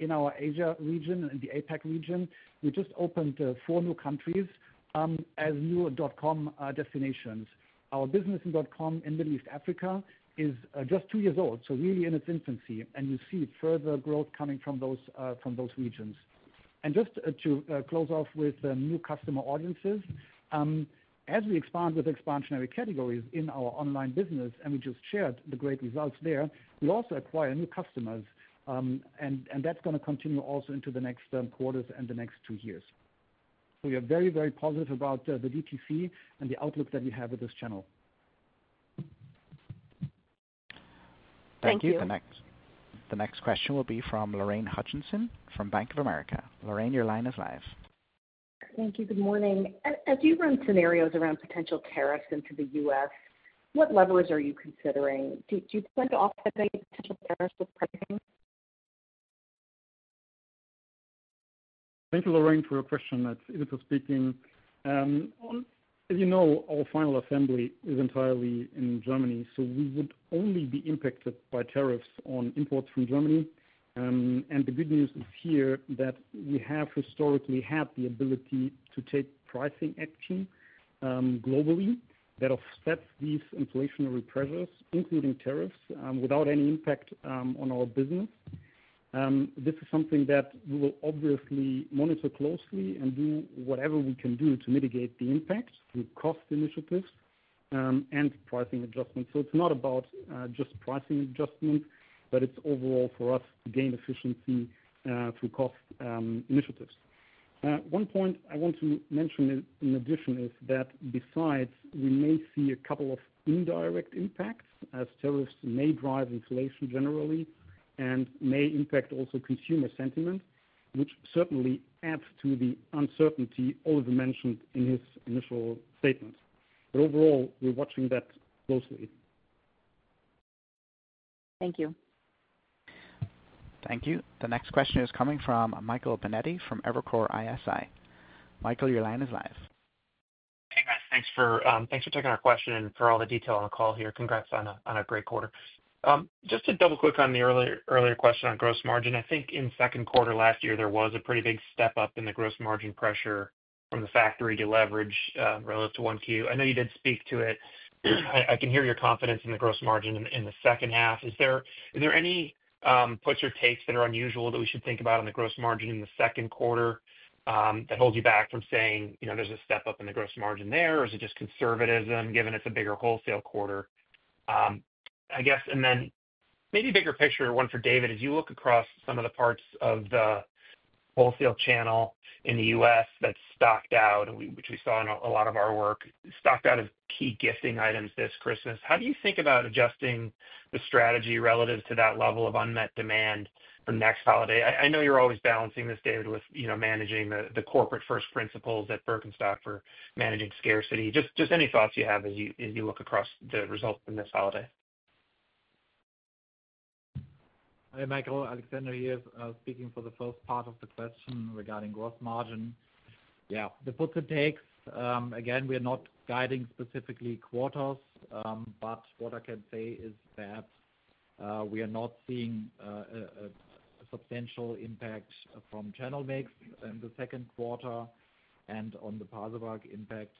Speaker 13: in our Asia region and the APAC region, we just opened four new countries as new dot-com destinations. Our business in dot-com in Middle East Africa is just two years old, so really in its infancy. And you see further growth coming from those regions. And just to close off with new customer audiences, as we expand with expansionary categories in our online business, and we just shared the great results there, we also acquire new customers. And that's going to continue also into the next quarters and the next two years. So we are very, very positive about the DTC and the outlook that we have with this channel.
Speaker 1: Thank you. The next question will be from Lorraine Hutchinson from Bank of America. Lorraine, your line is live.
Speaker 22: Thank you. Good morning. As you run scenarios around potential tariffs into the U.S., what levers are you considering? Do you plan to offset any potential tariffs with pricing?
Speaker 13: Thank you, Lorraine, for your question. It's Nico speaking. As you know, our final assembly is entirely in Germany, so we would only be impacted by tariffs on imports from Germany, and the good news is here that we have historically had the ability to take pricing action globally that offsets these inflationary pressures, including tariffs, without any impact on our business. This is something that we will obviously monitor closely and do whatever we can do to mitigate the impact through cost initiatives and pricing adjustments, so it's not about just pricing adjustments, but it's overall for us to gain efficiency through cost initiatives. One point I want to mention in addition is that besides, we may see a couple of indirect impacts as tariffs may drive inflation generally and may impact also consumer sentiment, which certainly adds to the uncertainty Oliver mentioned in his initial statement. But overall, we're watching that closely.
Speaker 22: Thank you.
Speaker 1: Thank you. The next question is coming from Michael Binetti from Evercore ISI. Michael, your line is live.
Speaker 23: Hey, guys. Thanks for taking our question and for all the detail on the call here. Congrats on a great quarter. Just to double-click on the earlier question on gross margin, I think in second quarter last year, there was a pretty big step up in the gross margin pressure from the factory deleverage relative to 1Q. I know you did speak to it. I can hear your confidence in the gross margin in the second half. Is there any puts or takes that are unusual that we should think about on the gross margin in the second quarter that holds you back from saying there's a step up in the gross margin there? Or is it just conservatism given it's a bigger wholesale quarter? I guess, and then maybe bigger picture, one for David, as you look across some of the parts of the wholesale channel in the U.S. that's stocked out, which we saw in a lot of our work, stocked out as key gifting items this Christmas, how do you think about adjusting the strategy relative to that level of unmet demand for next holiday? I know you're always balancing this, David, with managing the corporate first principles at Birkenstock for managing scarcity. Just any thoughts you have as you look across the results in this holiday?
Speaker 8: Hi, Michael. Alexander here speaking for the first part of the question regarding gross margin. Yeah. The puts and takes, again, we are not guiding specifically quarters, but what I can say is that we are not seeing a substantial impact from channel mix in the second quarter. And on the Pasewalk impact,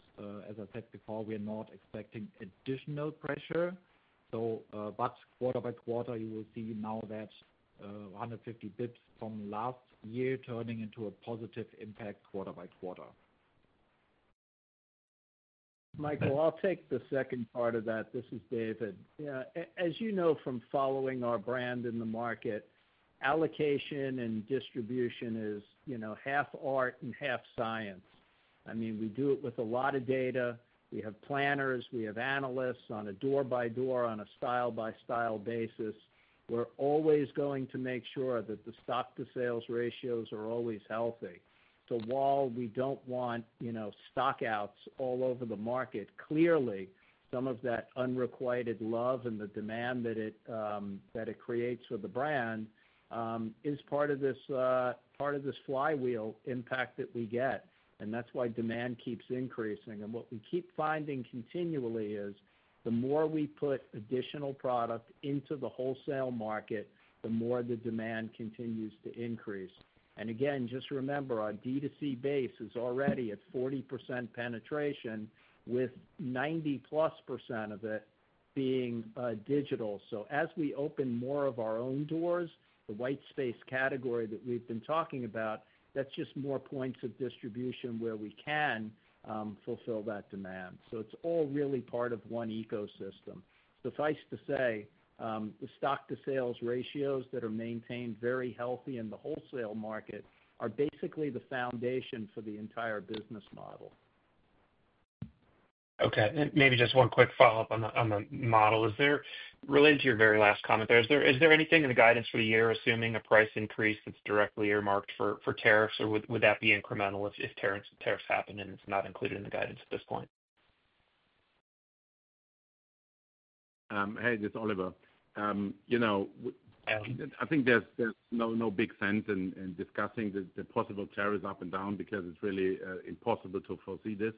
Speaker 8: as I said before, we are not expecting additional pressure. But quarter-by-quarter, you will see now that 150 basis points from last year turning into a positive impact quarter-by-quarter.
Speaker 15: Michael, I'll take the second part of that. This is David. Yeah. As you know from following our brand in the market, allocation and distribution is half art and half science. I mean, we do it with a lot of data. We have planners. We have analysts on a door-by-door, on a style-by-style basis. We're always going to make sure that the stock-to-sales ratios are always healthy. So while we don't want stockouts all over the market, clearly, some of that unrequited love and the demand that it creates for the brand is part of this flywheel impact that we get. And that's why demand keeps increasing. And what we keep finding continually is the more we put additional product into the wholesale market, the more the demand continues to increase. And again, just remember, our DTC base is already at 40% penetration, with 90-plus % of it being digital. So as we open more of our own doors, the white space category that we've been talking about, that's just more points of distribution where we can fulfill that demand. So it's all really part of one ecosystem. Suffice to say, the stock-to-sales ratios that are maintained very healthy in the wholesale market are basically the foundation for the entire business model.
Speaker 23: Okay. Maybe just one quick follow-up on the model. Related to your very last comment there, is there anything in the guidance for the year, assuming a price increase that's directly earmarked for tariffs, or would that be incremental if tariffs happen and it's not included in the guidance at this point?
Speaker 3: Hey, this is Oliver. I think there's no big sense in discussing the possible tariffs up and down because it's really impossible to foresee this.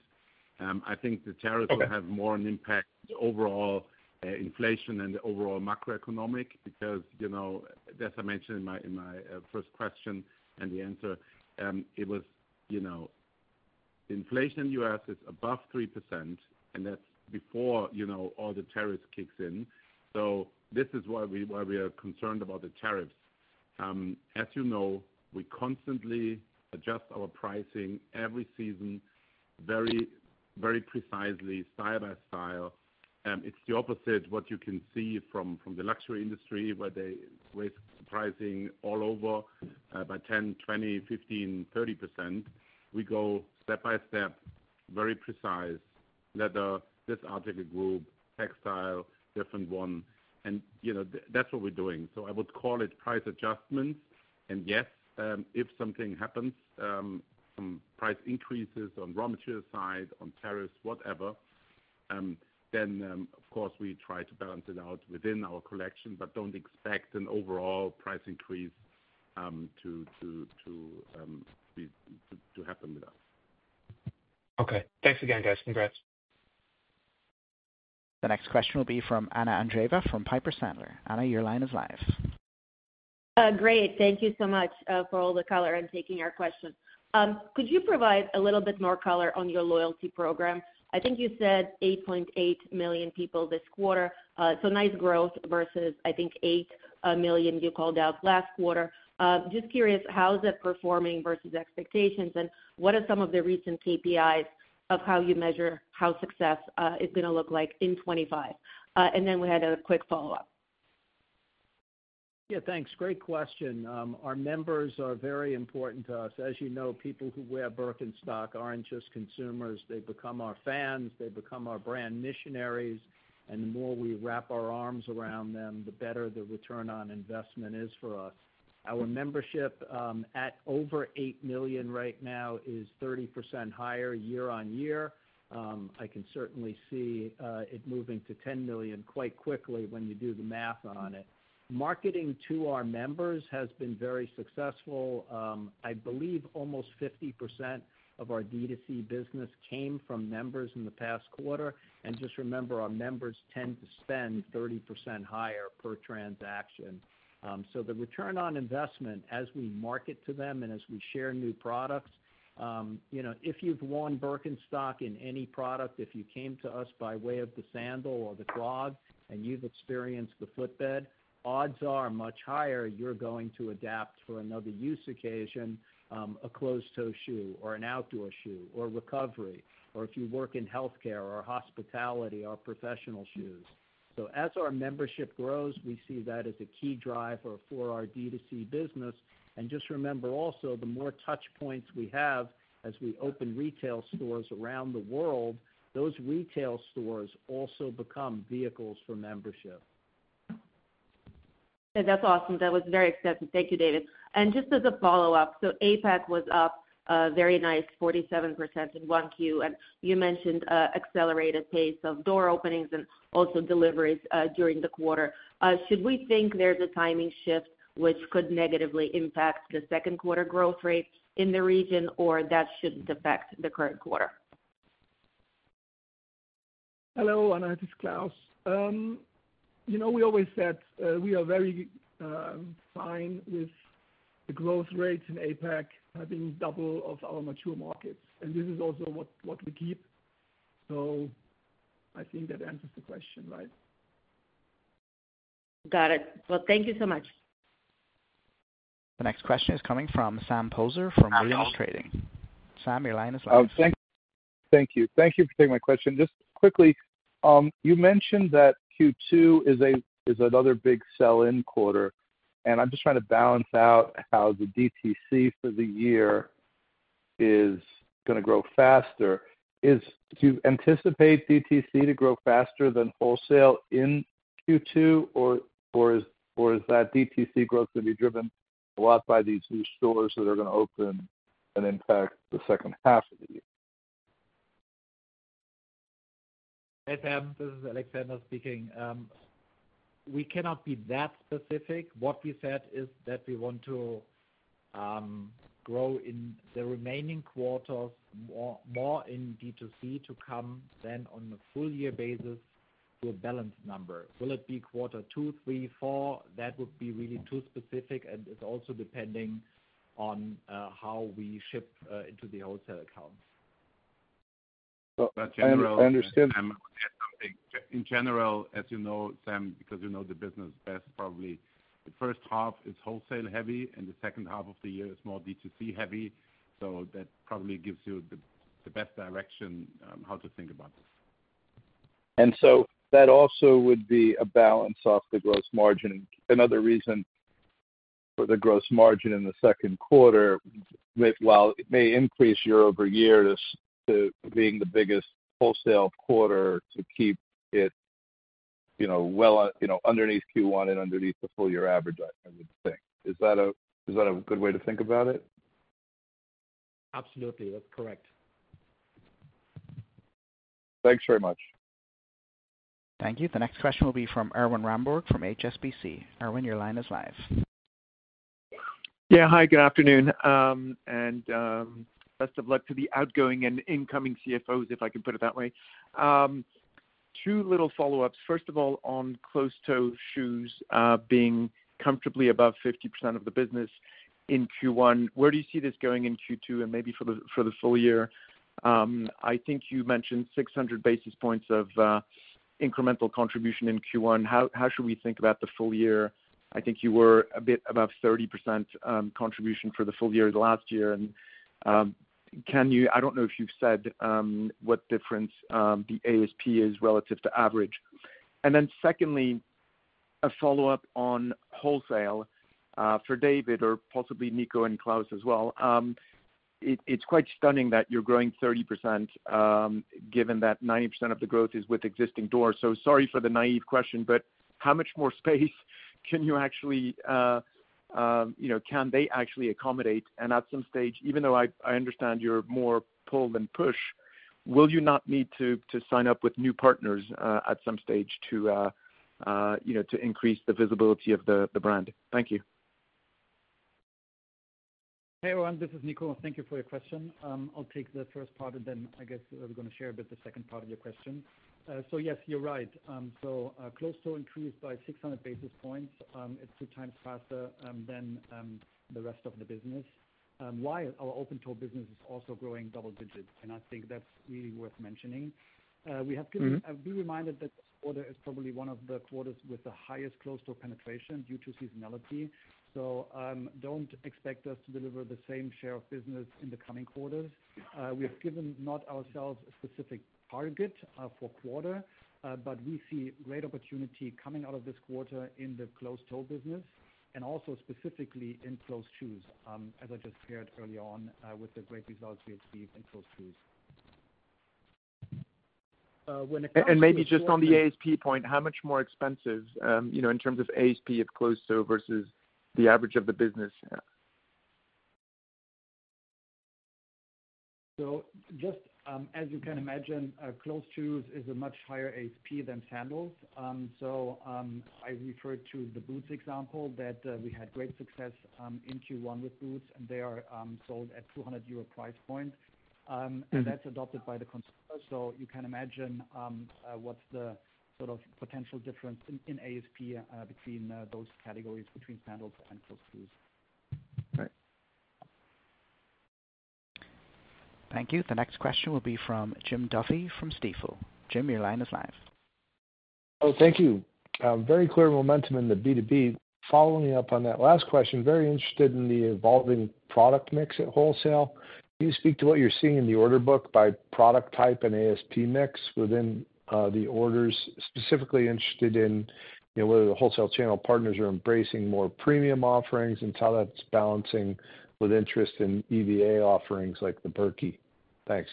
Speaker 3: I think the tariffs will have more an impact on overall inflation and the overall macroeconomic because, as I mentioned in my first question and the answer, it was inflation in the U.S. is above 3%, and that's before all the tariffs kicks in. So this is why we are concerned about the tariffs. As you know, we constantly adjust our pricing every season very precisely, style by style. It's the opposite of what you can see from the luxury industry, where they raise pricing all over by 10%, 20%, 15%, 30%. We go step by step, very precise, leather, this article group, textile, different one. And that's what we're doing. So I would call it price adjustments. Yes, if something happens, some price increases on raw material side, on tariffs, whatever, then, of course, we try to balance it out within our collection, but don't expect an overall price increase to happen with us.
Speaker 23: Okay. Thanks again, guys. Congrats.
Speaker 1: The next question will be from Anna Andreeva from Piper Sandler. Anna, your line is live.
Speaker 24: Great. Thank you so much for all the color and taking our questions. Could you provide a little bit more color on your loyalty program? I think you said 8.8 million people this quarter. So nice growth versus, I think, 8 million you called out last quarter. Just curious, how is it performing versus expectations, and what are some of the recent KPIs of how you measure how success is going to look like in 2025? And then we had a quick follow-up.
Speaker 15: Yeah, thanks. Great question. Our members are very important to us. As you know, people who wear Birkenstock aren't just consumers. They become our fans. They become our brand missionaries. And the more we wrap our arms around them, the better the return on investment is for us. Our membership at over eight million right now is 30% higher year-on-year. I can certainly see it moving to 10 million quite quickly when you do the math on it. Marketing to our members has been very successful. I believe almost 50% of our DTC business came from members in the past quarter. And just remember, our members tend to spend 30% higher per transaction. So the return on investment as we market to them and as we share new products, if you've worn Birkenstock in any product, if you came to us by way of the sandal or the clog and you've experienced the footbed, odds are much higher you're going to adapt for another use occasion, a closed-toe shoe or an outdoor shoe or recovery, or if you work in healthcare or hospitality or professional shoes. So as our membership grows, we see that as a key driver for our DTC business. And just remember also, the more touchpoints we have as we open retail stores around the world, those retail stores also become vehicles for membership.
Speaker 24: That's awesome. That was very exciting. Thank you, David. And just as a follow-up, so APAC was up very nice, 47% in 1Q. And you mentioned accelerated pace of door openings and also deliveries during the quarter. Should we think there's a timing shift which could negatively impact the second quarter growth rate in the region, or that shouldn't affect the current quarter?
Speaker 17: Hello, Anna. This is Klaus. We always said we are very fine with the growth rates in APAC having double of our mature markets. And this is also what we keep. So I think that answers the question, right?
Speaker 24: Got it. Well, thank you so much.
Speaker 1: The next question is coming from Sam Poser from Williams Trading. Sam, your line is live.
Speaker 25: Thank you. Thank you for taking my question. Just quickly, you mentioned that Q2 is another big sell-in quarter. And I'm just trying to balance out how the DTC for the year is going to grow faster. Do you anticipate DTC to grow faster than wholesale in Q2, or is that DTC growth going to be driven a lot by these new stores that are going to open and impact the second half of the year?
Speaker 8: Hey, Sam. This is Alexander speaking. We cannot be that specific. What we said is that we want to grow in the remaining quarters more in DTC to come, then on a full-year basis to a balanced number. Will it be quarter two, three, four? That would be really too specific, and it's also depending on how we ship into the wholesale accounts.
Speaker 15: So in general, Sam, I want to add something. In general, as you know, Sam, because you know the business best, probably the first half is wholesale-heavy, and the second half of the year is more DTC-heavy. So that probably gives you the best direction how to think about this.
Speaker 25: And so that also would be a balance off the gross margin. Another reason for the gross margin in the second quarter, while it may increase year-over-year to being the biggest wholesale quarter, to keep it well underneath Q1 and underneath the full-year average, I would think. Is that a good way to think about it?
Speaker 15: Absolutely. That's correct.
Speaker 25: Thanks very much.
Speaker 1: Thank you. The next question will be from Erwan Rambourg from HSBC. Erwan, your line is live.
Speaker 26: Yeah. Hi, good afternoon. And best of luck to the outgoing and incoming CFOs, if I can put it that way. Two little follow-ups. First of all, on closed-toe shoes being comfortably above 50% of the business in Q1, where do you see this going in Q2 and maybe for the full year? I think you mentioned 600 basis points of incremental contribution in Q1. How should we think about the full year? I think you were a bit above 30% contribution for the full year last year. And I don't know if you've said what difference the ASP is relative to average. And then secondly, a follow-up on wholesale for David, or possibly Nico and Klaus as well. It's quite stunning that you're growing 30% given that 90% of the growth is with existing doors. Sorry for the naive question, but how much more space can you actually accommodate? At some stage, even though I understand you're more pull than push, will you not need to sign up with new partners at some stage to increase the visibility of the brand? Thank you.
Speaker 13: Hey, everyone. This is Nico. Thank you for your question. I'll take the first part, and then I guess we're going to share a bit the second part of your question. So yes, you're right. So closed-toe increased by 600 basis points. It's two times faster than the rest of the business. While our open-toe business is also growing double digits, and I think that's really worth mentioning. We have been reminded that this quarter is probably one of the quarters with the highest closed-toe penetration due to seasonality. So don't expect us to deliver the same share of business in the coming quarters. We have given not ourselves a specific target for quarter, but we see great opportunity coming out of this quarter in the closed-toe business, and also specifically in closed shoes, as I just shared earlier on with the great results we achieved in closed shoes. And maybe just on the ASP point, how much more expensive in terms of ASP of closed-toe versus the average of the business? Just as you can imagine, closed-toe shoes is a much higher ASP than sandals. So I referred to the boots example that we had great success in Q1 with boots, and they are sold at a 200 euro price point. And that's adopted by the consumer. So you can imagine what's the sort of potential difference in ASP between those categories, between sandals and closed-toe shoes.
Speaker 26: Right.
Speaker 1: Thank you. The next question will be from Jim Duffy from Stifel. Jim, your line is live.
Speaker 27: Oh, thank you. Very clear momentum in the B2B. Following up on that last question, very interested in the evolving product mix at wholesale. Can you speak to what you're seeing in the order book by product type and ASP mix within the orders? Specifically interested in whether the wholesale channel partners are embracing more premium offerings and how that's balancing with interest in EVA offerings like the Birki. Thanks.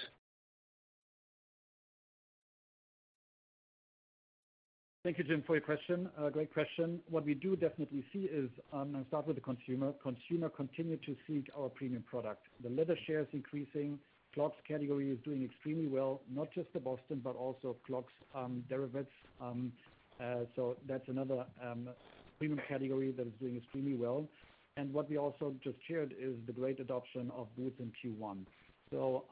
Speaker 13: Thank you, Jim, for your question. Great question. What we do definitely see is, and I'll start with the consumer, consumer continues to seek our premium product. The leather share is increasing. Clogs category is doing extremely well, not just the Boston, but also clogs derivatives. So that's another premium category that is doing extremely well. And what we also just shared is the great adoption of boots in Q1. So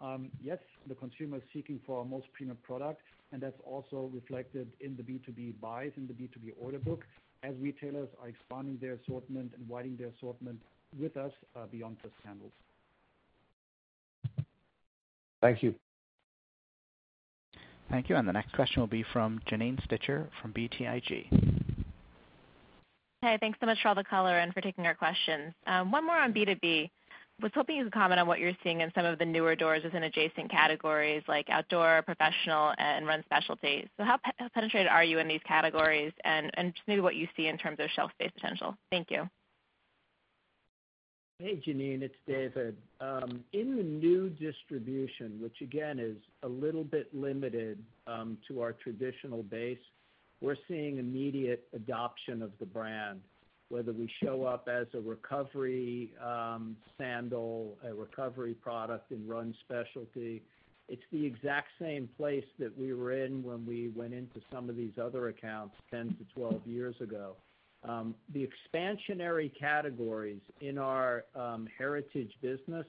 Speaker 13: yes, the consumer is seeking for our most premium product, and that's also reflected in the B2B buys and the B2B order book as retailers are expanding their assortment and widening their assortment with us beyond just sandals.
Speaker 27: Thank you.
Speaker 1: Thank you. And the next question will be from Janine Stichter from BTIG.
Speaker 28: Hey, thanks so much for all the color and for taking our questions. One more on B2B. I was hoping you could comment on what you're seeing in some of the newer doors within adjacent categories like outdoor, professional, and run specialties. So how penetrated are you in these categories and maybe what you see in terms of shelf space potential? Thank you.
Speaker 15: Hey, Janine, it's David. In the new distribution, which again is a little bit limited to our traditional base, we're seeing immediate adoption of the brand, whether we show up as a recovery sandal, a recovery product in run specialty. It's the exact same place that we were in when we went into some of these other accounts 10 to 12 years ago. The expansionary categories in our heritage business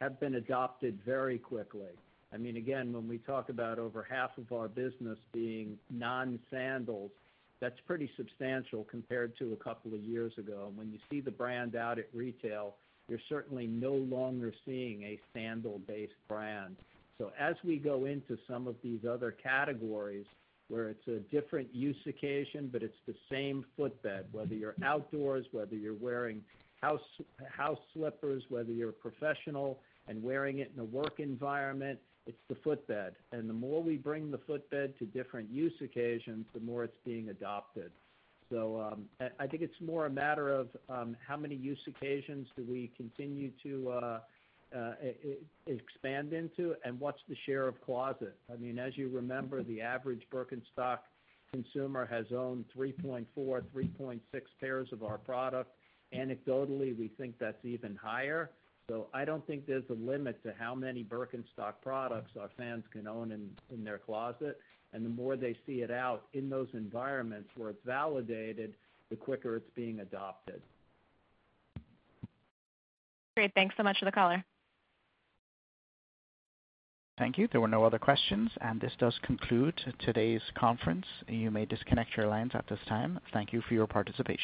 Speaker 15: have been adopted very quickly. I mean, again, when we talk about over half of our business being non-sandals, that's pretty substantial compared to a couple of years ago. And when you see the brand out at retail, you're certainly no longer seeing a sandal-based brand. So as we go into some of these other categories where it's a different use occasion, but it's the same footbed, whether you're outdoors, whether you're wearing house slippers, whether you're professional and wearing it in a work environment, it's the footbed. And the more we bring the footbed to different use occasions, the more it's being adopted. So I think it's more a matter of how many use occasions do we continue to expand into and what's the share of closet? I mean, as you remember, the average Birkenstock consumer has owned 3.4, 3.6 pairs of our product. Anecdotally, we think that's even higher. So I don't think there's a limit to how many Birkenstock products our fans can own in their closet. And the more they see it out in those environments where it's validated, the quicker it's being adopted.
Speaker 28: Great. Thanks so much for the color.
Speaker 1: Thank you. There were no other questions, and this does conclude today's conference. You may disconnect your lines at this time. Thank you for your participation.